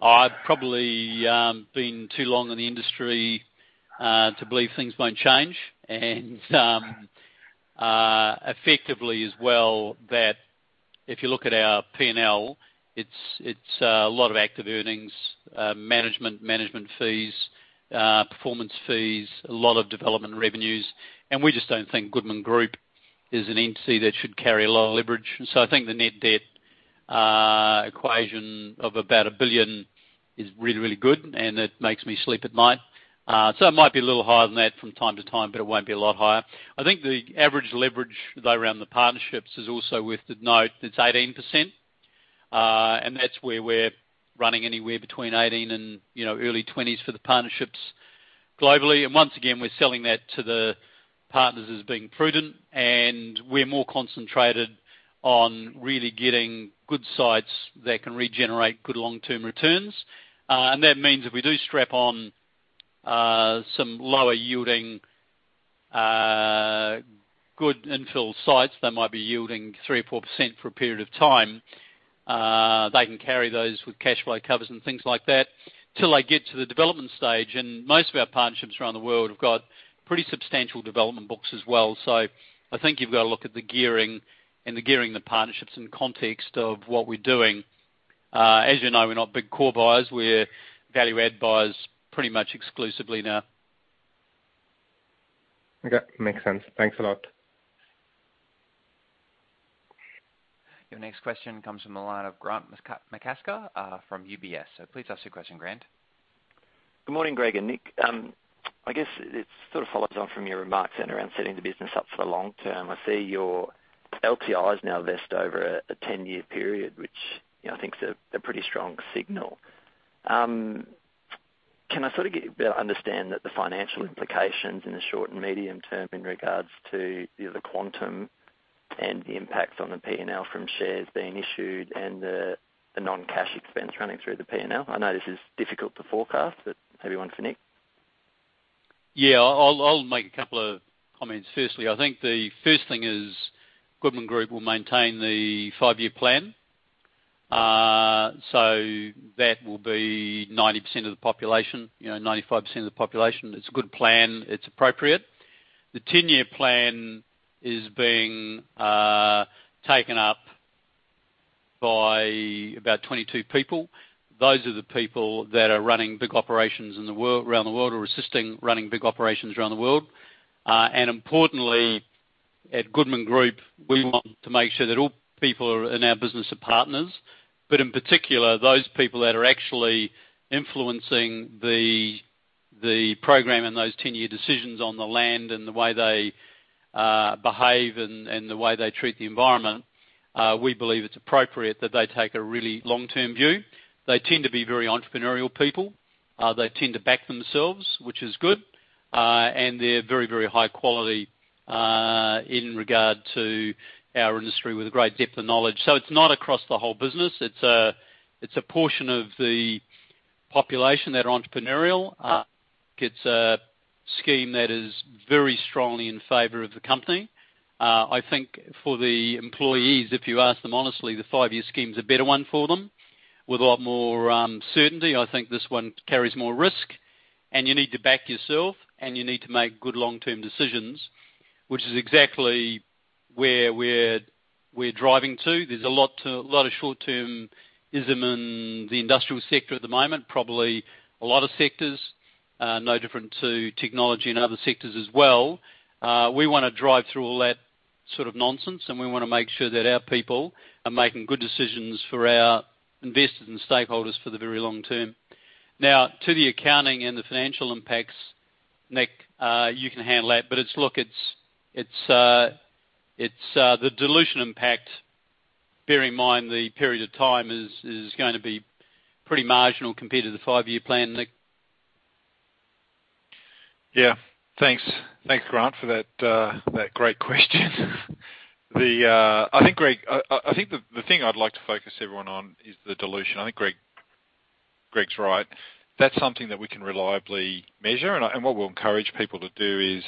I've probably been too long in the industry to believe things won't change. Effectively as well, that if you look at our P&L, it's a lot of active earnings, management fees, performance fees, a lot of development revenues. We just don't think Goodman Group is an entity that should carry a lot of leverage. I think the net debt equation of about 1 billion is really, really good, and it makes me sleep at night. It might be a little higher than that from time to time, but it won't be a lot higher. I think the average leverage, though, around the partnerships is also worth the note. It's 18%, and that's where we're running anywhere between 18% and early 20s for the partnerships globally. Once again, we're selling that to the partners as being prudent, and we're more concentrated on really getting good sites that can regenerate good long-term returns. That means if we do strap on some lower-yielding, good infill sites that might be yielding 3% or 4% for a period of time, they can carry those with cash flow covers and things like that till they get to the development stage. Most of our partnerships around the world have got pretty substantial development books as well. I think you've got to look at the gearing and the gearing, the partnerships in context of what we're doing. As you know, we're not big core buyers. We're value add buyers pretty much exclusively now. Okay. Makes sense. Thanks a lot. Your next question comes from the line of Grant McCasker from UBS. Please ask your question, Grant. Good morning, Greg and Nick. I guess it sort of follows on from your remarks then around setting the business up for the long term. I see your LTI is now vested over a 10-year period, which I think is a pretty strong signal. Can I get a better understanding that the financial implications in the short and medium term in regards to the quantum and the impact on the P&L from shares being issued and the non-cash expense running through the P&L? I know this is difficult to forecast, but maybe one for Nick. I'll make a couple of comments. Firstly, I think the first thing is Goodman Group will maintain the five-year plan. That will be 90% of the population, 95% of the population. It's a good plan. It's appropriate. The 10-year plan is being taken up by about 22 people. Those are the people that are running big operations around the world or assisting running big operations around the world. Importantly, at Goodman Group, we want to make sure that all people in our business are partners, but in particular, those people that are actually influencing the program and those 10-year decisions on the land and the way they behave and the way they treat the environment, we believe it's appropriate that they take a really long-term view. They tend to be very entrepreneurial people. They tend to back themselves, which is good. They're very high quality in regard to our industry with a great depth of knowledge. It's not across the whole business. It's a portion of the population that are entrepreneurial. It's a scheme that is very strongly in favor of the company. I think for the employees, if you ask them honestly, the five-year scheme is a better one for them with a lot more certainty. I think this one carries more risk, and you need to back yourself, and you need to make good long-term decisions, which is exactly where we're driving to. There's a lot of short-termism in the industrial sector at the moment, probably a lot of sectors, no different to technology and other sectors as well. We want to drive through all that nonsense, and we want to make sure that our people are making good decisions for our investors and stakeholders for the very long term. To the accounting and the financial impacts, Nick, you can handle that. Look, the dilution impact, bear in mind, the period of time is going to be pretty marginal compared to the five-year plan, Nick. Yeah. Thanks, Grant, for that great question. I think the thing I'd like to focus everyone on is the dilution. I think Greg's right. That's something that we can reliably measure. What we'll encourage people to do is,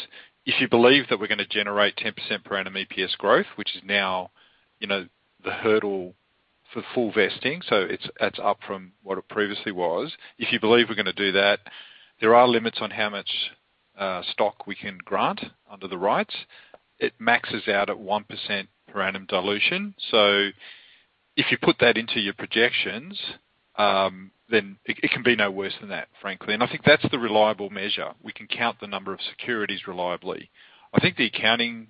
if you believe that we're going to generate 10% per annum EPS growth, which is now the hurdle for full vesting, so it's up from what it previously was. If you believe we're going to do that, there are limits on how much stock we can grant under the rights. It maxes out at 1% per annum dilution. If you put that into your projections, then it can be no worse than that, frankly. I think that's the reliable measure. We can count the number of securities reliably. I think the accounting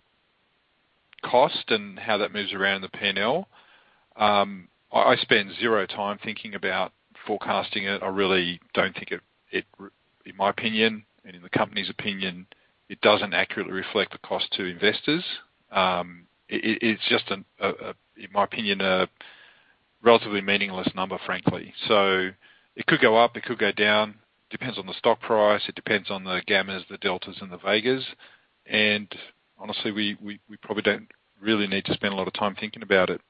cost and how that moves around the P&L, I spend zero time thinking about forecasting it. I really don't think it, in my opinion and in the company's opinion, it doesn't accurately reflect the cost to investors. It's just, in my opinion, a relatively meaningless number, frankly. It could go up, it could go down. Depends on the stock price. It depends on the gammas, the deltas, and the vegas. Honestly, we probably don't really need to spend a lot of time thinking about it.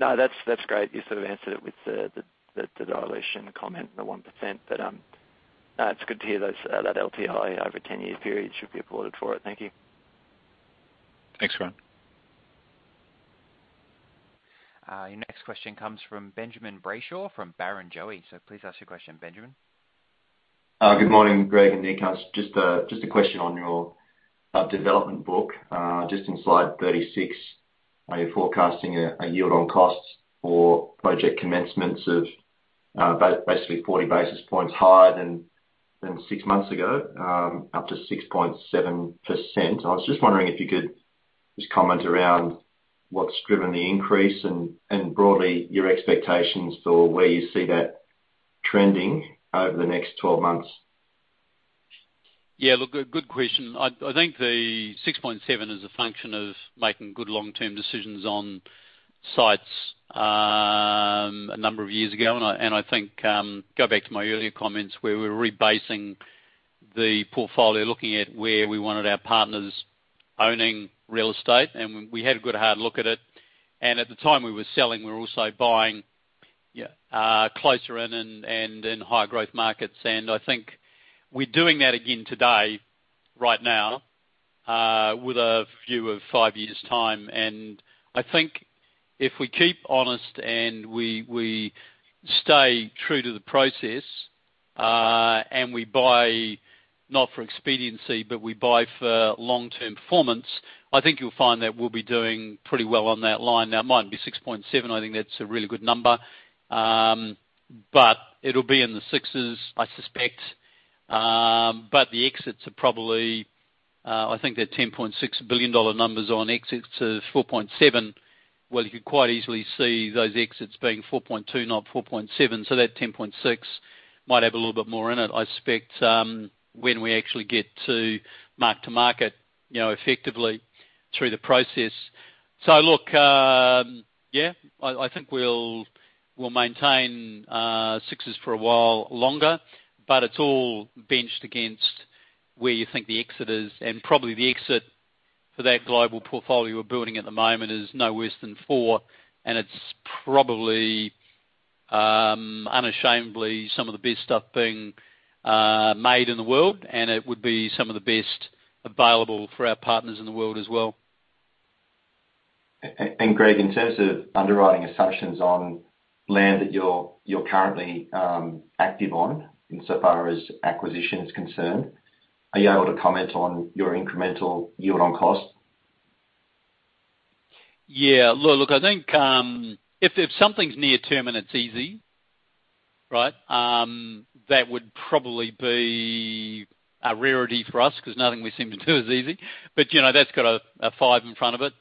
No, that is great. You sort of answered it with the dilution comment and the 1%, but no, it is good to hear that LTI over a 10-year period should be applauded for it. Thank you. Thanks, Grant. Your next question comes from Benjamin Brayshaw from Barrenjoey. Please ask your question, Benjamin. Good morning, Greg and Nick. Just a question on your development book. Just in Slide 36, are you forecasting a yield on cost for project commencements of basically 40 basis points higher than six months ago, up to 6.7%? I was just wondering if you could just comment around what's driven the increase and broadly your expectations for where you see that trending over the next 12 months. Look, good question. I think the 6.7% is a function of making good long-term decisions on sites a number of years ago, I think go back to my earlier comments where we were rebasing the portfolio, looking at where we wanted our partners owning real estate, and we had a good hard look at it. At the time we were selling, we were also buying closer in and in higher growth markets. I think we're doing that again today right now with a view of five years' time. I think if we keep honest and we stay true to the process, and we buy not for expediency, but we buy for long-term performance, I think you'll find that we'll be doing pretty well on that line. It mightn't be 6.7%. I think that's a really good number. It'll be in the sixes, I suspect. The exits are probably, I think they're 10.6 billion dollar numbers on exits of 4.7%. You could quite easily see those exits being 4.2%, not 4.7%. That 10.6 billion might have a little bit more in it, I suspect, when we actually get to mark-to-market effectively through the process. Look, yeah, I think we'll maintain sixes for a while longer, but it's all benched against where you think the exit is, and probably the exit for that global portfolio we're building at the moment is no worse than 4%, and it's probably unashamedly some of the best stuff being made in the world, and it would be some of the best available for our partners in the world as well. Greg, in terms of underwriting assumptions on land that you're currently active on insofar as acquisition is concerned, are you able to comment on your incremental yield on cost? Yeah. Look, I think if something's near term and it's easy, that would probably be a rarity for us because nothing we seem to do is easy. That's got a five in front of it.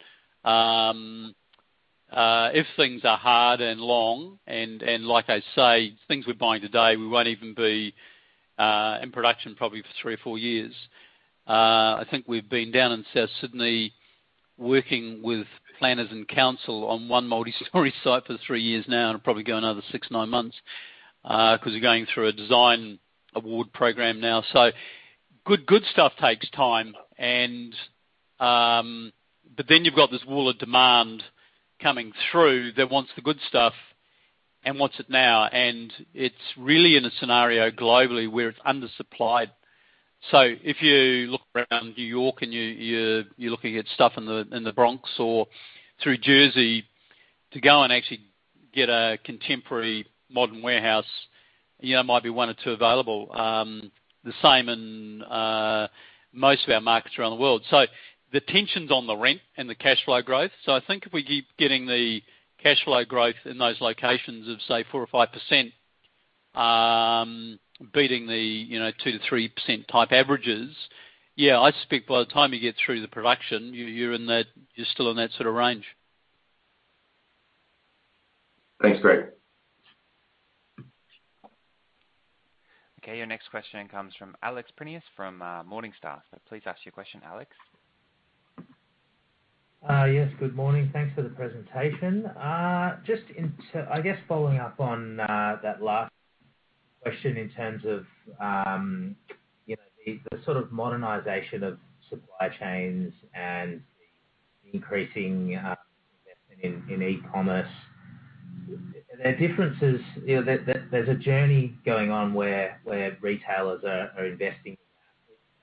If things are hard and long, and like I say, things we're buying today, we won't even be in production probably for three or four years. I think we've been down in South Sydney working with planners and council on one multi-storey site for three years now, and it'll probably go another six to nine months, because we're going through a design award program now. Good stuff takes time, you've got this wall of demand coming through that wants the good stuff and wants it now, and it's really in a scenario globally where it's undersupplied. If you look around New York and you're looking at stuff in the Bronx or through Jersey, to go and actually get a contemporary modern warehouse, might be one or two available. The same in most of our markets around the world. The tension's on the rent and the cash flow growth. I think if we keep getting the cash flow growth in those locations of, say, 4% or 5%, beating the 2%-3% type averages, yeah, I suspect by the time you get through the production, you're still in that sort of range. Thanks, Greg. Okay, your next question comes from Alex Prineas from Morningstar. Please ask your question, Alex. Yes, good morning. Thanks for the presentation. I guess following up on that last question in terms of the sort of modernization of supply chains and the increasing investment in e-commerce. There's a journey going on where retailers are investing.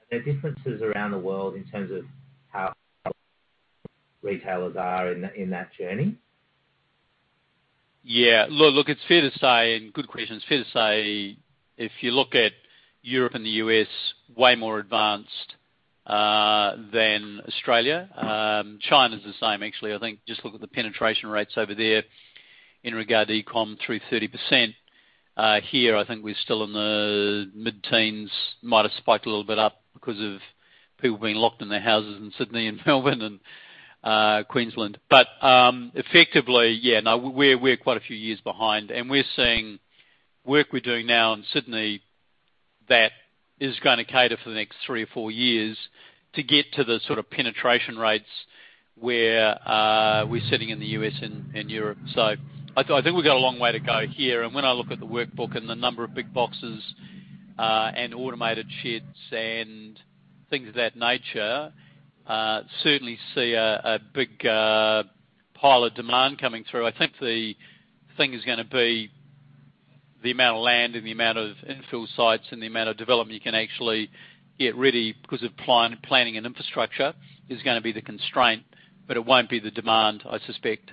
Are there differences around the world in terms of how retailers are in that journey? Look, it's fair to say, good question, it's fair to say, if you look at Europe and the U.S., way more advanced than Australia. China's the same actually. I think just look at the penetration rates over there in regard to e-com, 330%. Here, I think we're still in the mid-teens. Might have spiked a little bit up because of people being locked in their houses in Sydney and Melbourne and Queensland. Effectively, we're quite a few years behind, and we're seeing work we're doing now in Sydney that is going to cater for the next three or four years to get to the sort of penetration rates where we're sitting in the U.S. and Europe. I think we've got a long way to go here. When I look at the workbook and the number of big boxes and automated sheds and things of that nature, certainly see a big pile of demand coming through. I think the thing is going to be the amount of land and the amount of infill sites and the amount of development you can actually get ready because of planning and infrastructure is going to be the constraint, but it won't be the demand, I suspect.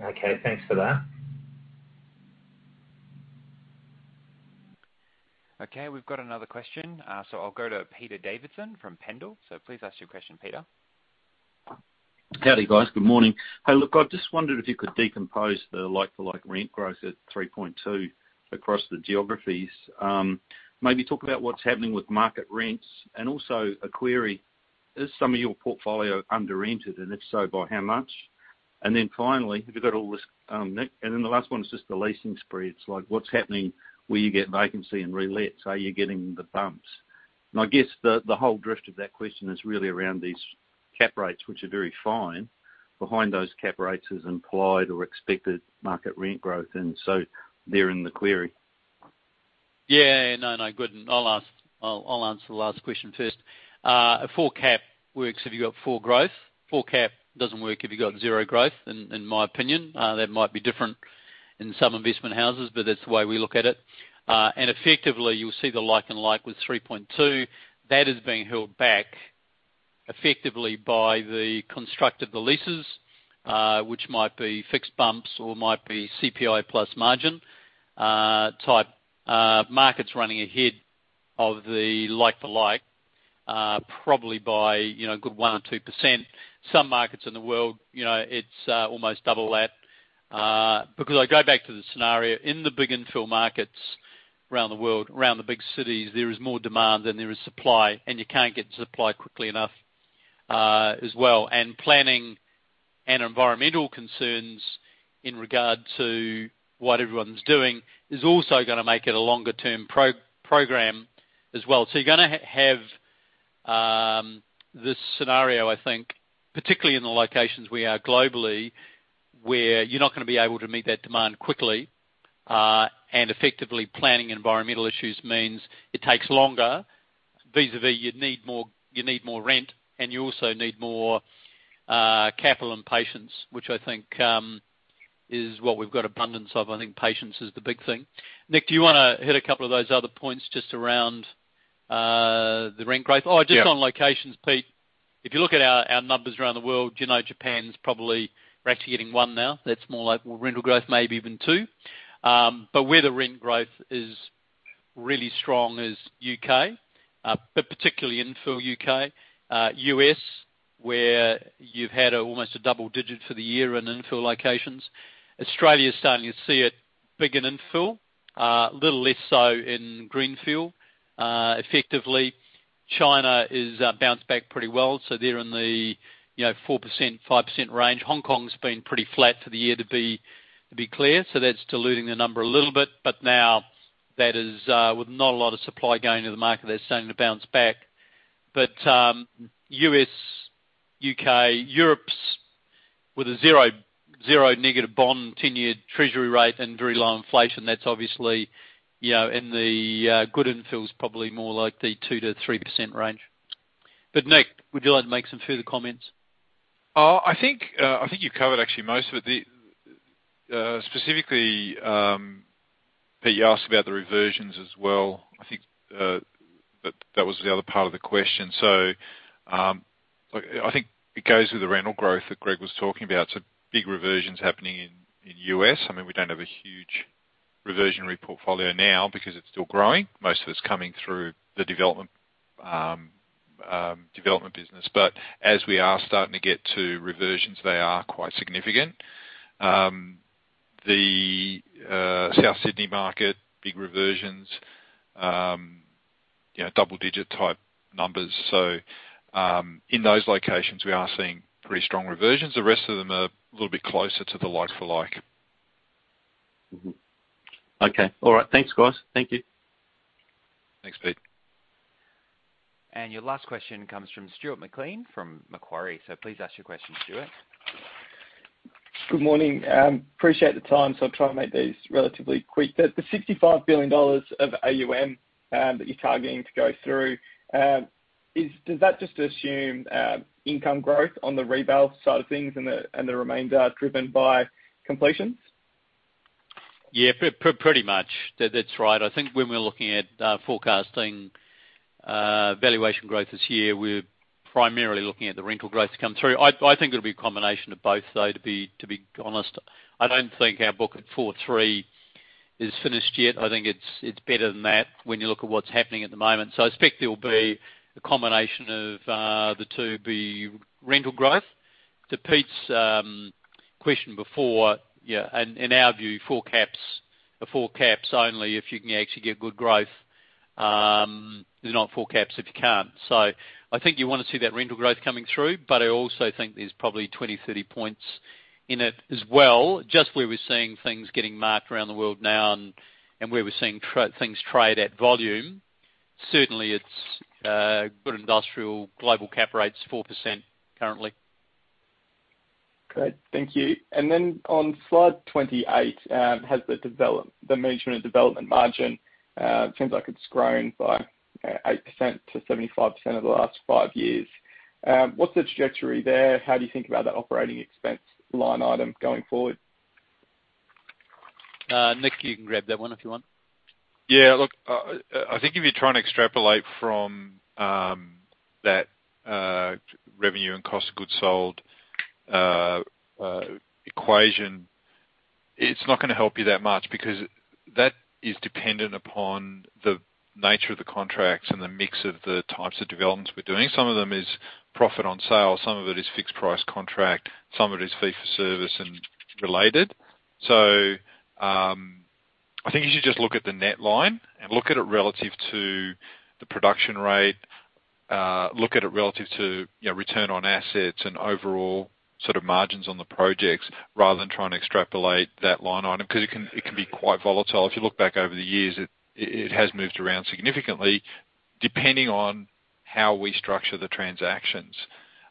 Okay, thanks for that. Okay, we've got another question. I'll go to Peter Davidson from Pendal. Please ask your question, Peter. Howdy, guys. Good morning. Hey, look, I just wondered if you could decompose the like-for-like rent growth at 3.2 across the geographies. Maybe talk about what's happening with market rents. Also a query, is some of your portfolio under-rented, and if so, by how much? Finally, if you've got all this, Nick, the last one is just the leasing spreads. What's happening where you get vacancy and relets? Are you getting the bumps? I guess the whole drift of that question is really around these cap rates, which are very fine. Behind those cap rates is implied or expected market rent growth in. Therein the query. No, good one. I'll answer the last question first. A 4 cap works if you got 4 cap. 4 cap doesn't work if you got zero growth, in my opinion. That might be different in some investment houses, but that's the way we look at it. Effectively, you'll see the like-and-like with 3.2%. That is being held back effectively by the construct of the leases, which might be fixed bumps or might be CPI plus margin type markets running ahead of the like-for-like, probably by a good 1% or 2%. Some markets in the world, it's almost double that. I go back to the scenario, in the big infill markets around the world, around the big cities, there is more demand than there is supply, and you can't get supply quickly enough as well. Planning and environmental concerns in regard to what everyone's doing is also going to make it a longer-term program as well. You're going to have this scenario, I think, particularly in the locations we are globally, where you're not going to be able to meet that demand quickly. Effectively, planning environmental issues means it takes longer, vis-a-vis you need more rent, and you also need more capital and patience, which I think is what we've got abundance of. I think patience is the big thing. Nick, do you want to hit a couple of those other points just around the rent growth? Yeah. Oh, just on locations, Pete, if you look at our numbers around the world, Japan's probably, we're actually getting 1% now. That's more like rental growth, maybe even 2%. Where the rent growth is really strong is U.K., particularly infill U.K. U.S., where you've had almost a double-digit for the year in infill locations. Australia is starting to see it big in infill, a little less so in greenfield. Effectively, China has bounced back pretty well. They're in the 4%-5% range. Hong Kong's been pretty flat for the year, to be clear, that's diluting the number a little bit. Now that is, with not a lot of supply going to the market, they're starting to bounce back. U.S., U.K., Europe's with a zero negative bond, 10-year treasury rate, and very low inflation, that's obviously, and the good infill's probably more like the 2%-3% range. Nick, would you like to make some further comments? I think you've covered actually most of it. Specifically, Pete asked about the reversions as well. I think that was the other part of the question. I think it goes with the rental growth that Greg was talking about. Big reversions happening in U.S. We don't have a huge reversionary portfolio now because it's still growing. Most of it's coming through the development business. As we are starting to get to reversions, they are quite significant. The South Sydney market, big reversions, double-digit type numbers. In those locations we are seeing pretty strong reversions. The rest of them are a little bit closer to the like for like. Mm-hmm. Okay. All right. Thanks, guys. Thank you. Thanks, Pete. Your last question comes from Stuart McLean from Macquarie. Please ask your question, Stuart. Good morning. Appreciate the time. I'll try and make these relatively quick. The 65 billion dollars of AUM that you're targeting to go through, does that just assume income growth on the reval side of things and the remainder driven by completions? Yeah, pretty much. That's right. I think when we're looking at forecasting valuation growth this year, we're primarily looking at the rental growth to come through. I think it will be a combination of both, though, to be honest. I don't think our book at 4.3% is finished yet. I think it's better than that when you look at what's happening at the moment. I expect there will be a combination of the two, be rental growth. To Pete's question before, yeah, in our view, 4 caps are 4 caps only if you can actually get good growth. They're not 4 caps if you can't. I think you want to see that rental growth coming through, but I also think there's probably 20-30 points in it as well, just where we're seeing things getting marked around the world now and where we're seeing things trade at volume. Certainly, it's good industrial global cap rates, 4% currently. Great. Thank you. On slide 28, has the management and development margin, it seems like it's grown by 8% to 75% over the last five years. What's the trajectory there? How do you think about that operating expense line item going forward? Nick, you can grab that one if you want. Look, I think if you're trying to extrapolate from that revenue and cost of goods sold equation, it's not going to help you that much because that is dependent upon the nature of the contracts and the mix of the types of developments we're doing. Some of them is profit on sale, some of it is fixed price contract, some of it is fee for service and related. I think you should just look at the net line and look at it relative to the production rate, look at it relative to return on assets and overall margins on the projects rather than trying to extrapolate that line item, because it can be quite volatile. If you look back over the years, it has moved around significantly depending on how we structure the transactions.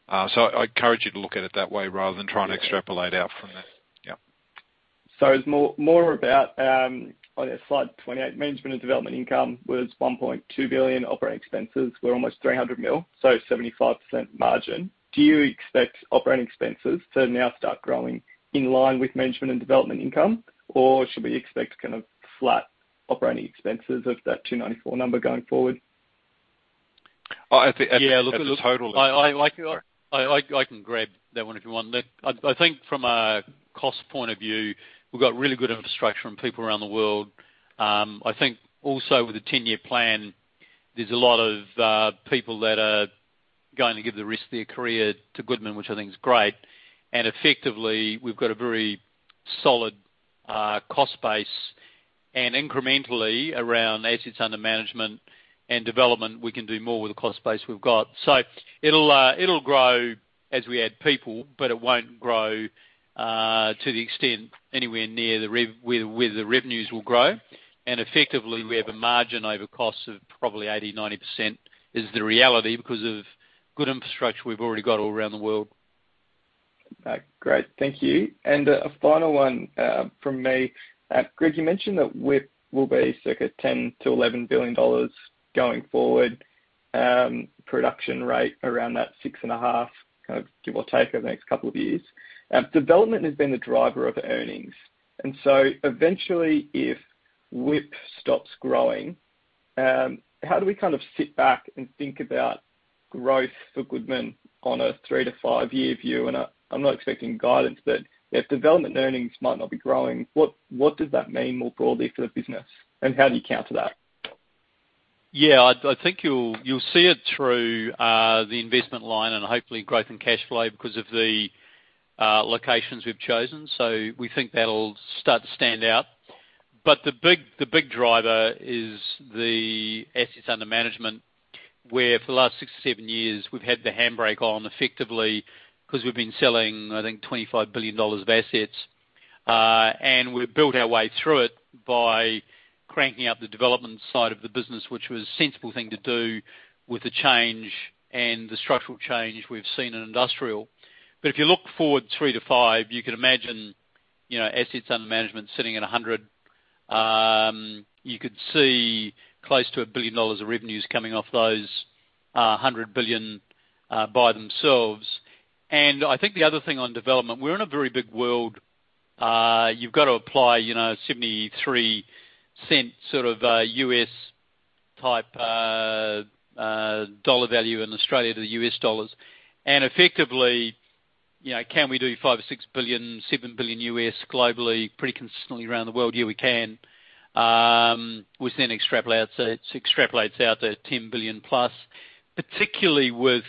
I encourage you to look at it that way rather than trying to extrapolate out from that. Yeah. It's more about on slide 28, management and development income was 1.2 billion. Operating expenses were almost 300 million, so 75% margin. Do you expect operating expenses to now start growing in line with management and development income, or should we expect flat operating expenses of that 294 million going forward? Oh, as a total- Look, I can grab that one if you want, Nick. I think from a cost point of view, we've got really good infrastructure and people around the world. I think also with the 10-year plan, there's a lot of people that are going to give the rest of their career to Goodman, which I think is great. Effectively, we've got a very solid cost base and incrementally around assets under management and development, we can do more with the cost base we've got. It'll grow as we add people, but it won't grow to the extent anywhere near where the revenues will grow. Effectively, we have a margin over costs of probably 80%-90% is the reality because of good infrastructure we've already got all around the world. Great. Thank you. A final one from me. Greg, you mentioned that WIP will be circa 10 billion-11 billion dollars going forward. Production rate around that 6.5 billion, give or take, over the next two years. Development has been the driver of earnings, eventually, if WIP stops growing, how do we sit back and think about growth for Goodman on a three-to-five-year view? I'm not expecting guidance, if development earnings might not be growing, what does that mean more broadly for the business, how do you counter that? Yeah, I think you'll see it through the investment line and hopefully growth in cash flow because of the locations we've chosen. We think that'll start to stand out. The big driver is the assets under management, where for the last six or seven years, we've had the handbrake on effectively because we've been selling, I think, 25 billion dollars of assets. We've built our way through it by cranking up the development side of the business, which was a sensible thing to do with the change and the structural change we've seen in industrial. If you look forward three to five, you could imagine assets under management sitting at 100 billion. You could see close to 1 billion dollars of revenues coming off those 100 billion by themselves. I think the other thing on development, we're in a very big world. You've got to apply $0.73 sort of US-type dollar value in Australia to the US dollars. Effectively, can we do $5 billion or $6 billion, $7 billion US dollars globally pretty consistently around the world? Yeah, we can. We extrapolate out to $10 billion-plus, particularly with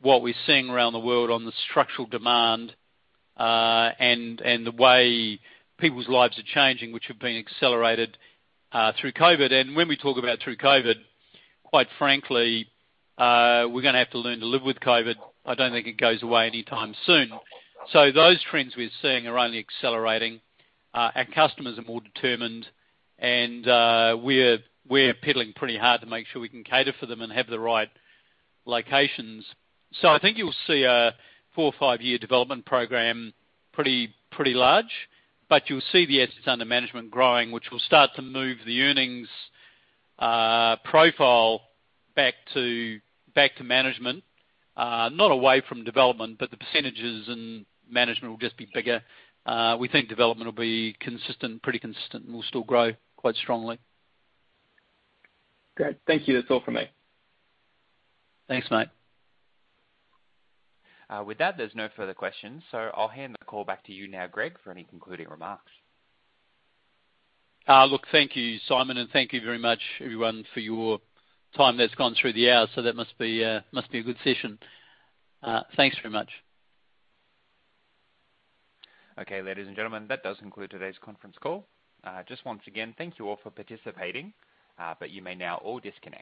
what we're seeing around the world on the structural demand, and the way people's lives are changing, which have been accelerated through COVID. When we talk about through COVID, quite frankly, we're going to have to learn to live with COVID. I don't think it goes away anytime soon. Those trends we're seeing are only accelerating. Our customers are more determined, and we're pedaling pretty hard to make sure we can cater for them and have the right locations. I think you'll see a four or five-year development program, pretty large, but you'll see the assets under management growing, which will start to move the earnings profile back to management. Not away from development, but the percentages in management will just be bigger. We think development will be pretty consistent, and will still grow quite strongly. Great. Thank you. That's all for me. Thanks, mate. With that, there's no further questions. I'll hand the call back to you now, Greg, for any concluding remarks. Look, thank you, Simon, and thank you very much everyone for your time that's gone through the hour. That must be a good session. Thanks very much. Okay, ladies and gentlemen, that does conclude today's conference call. Just once again, thank you all for participating, you may now all disconnect.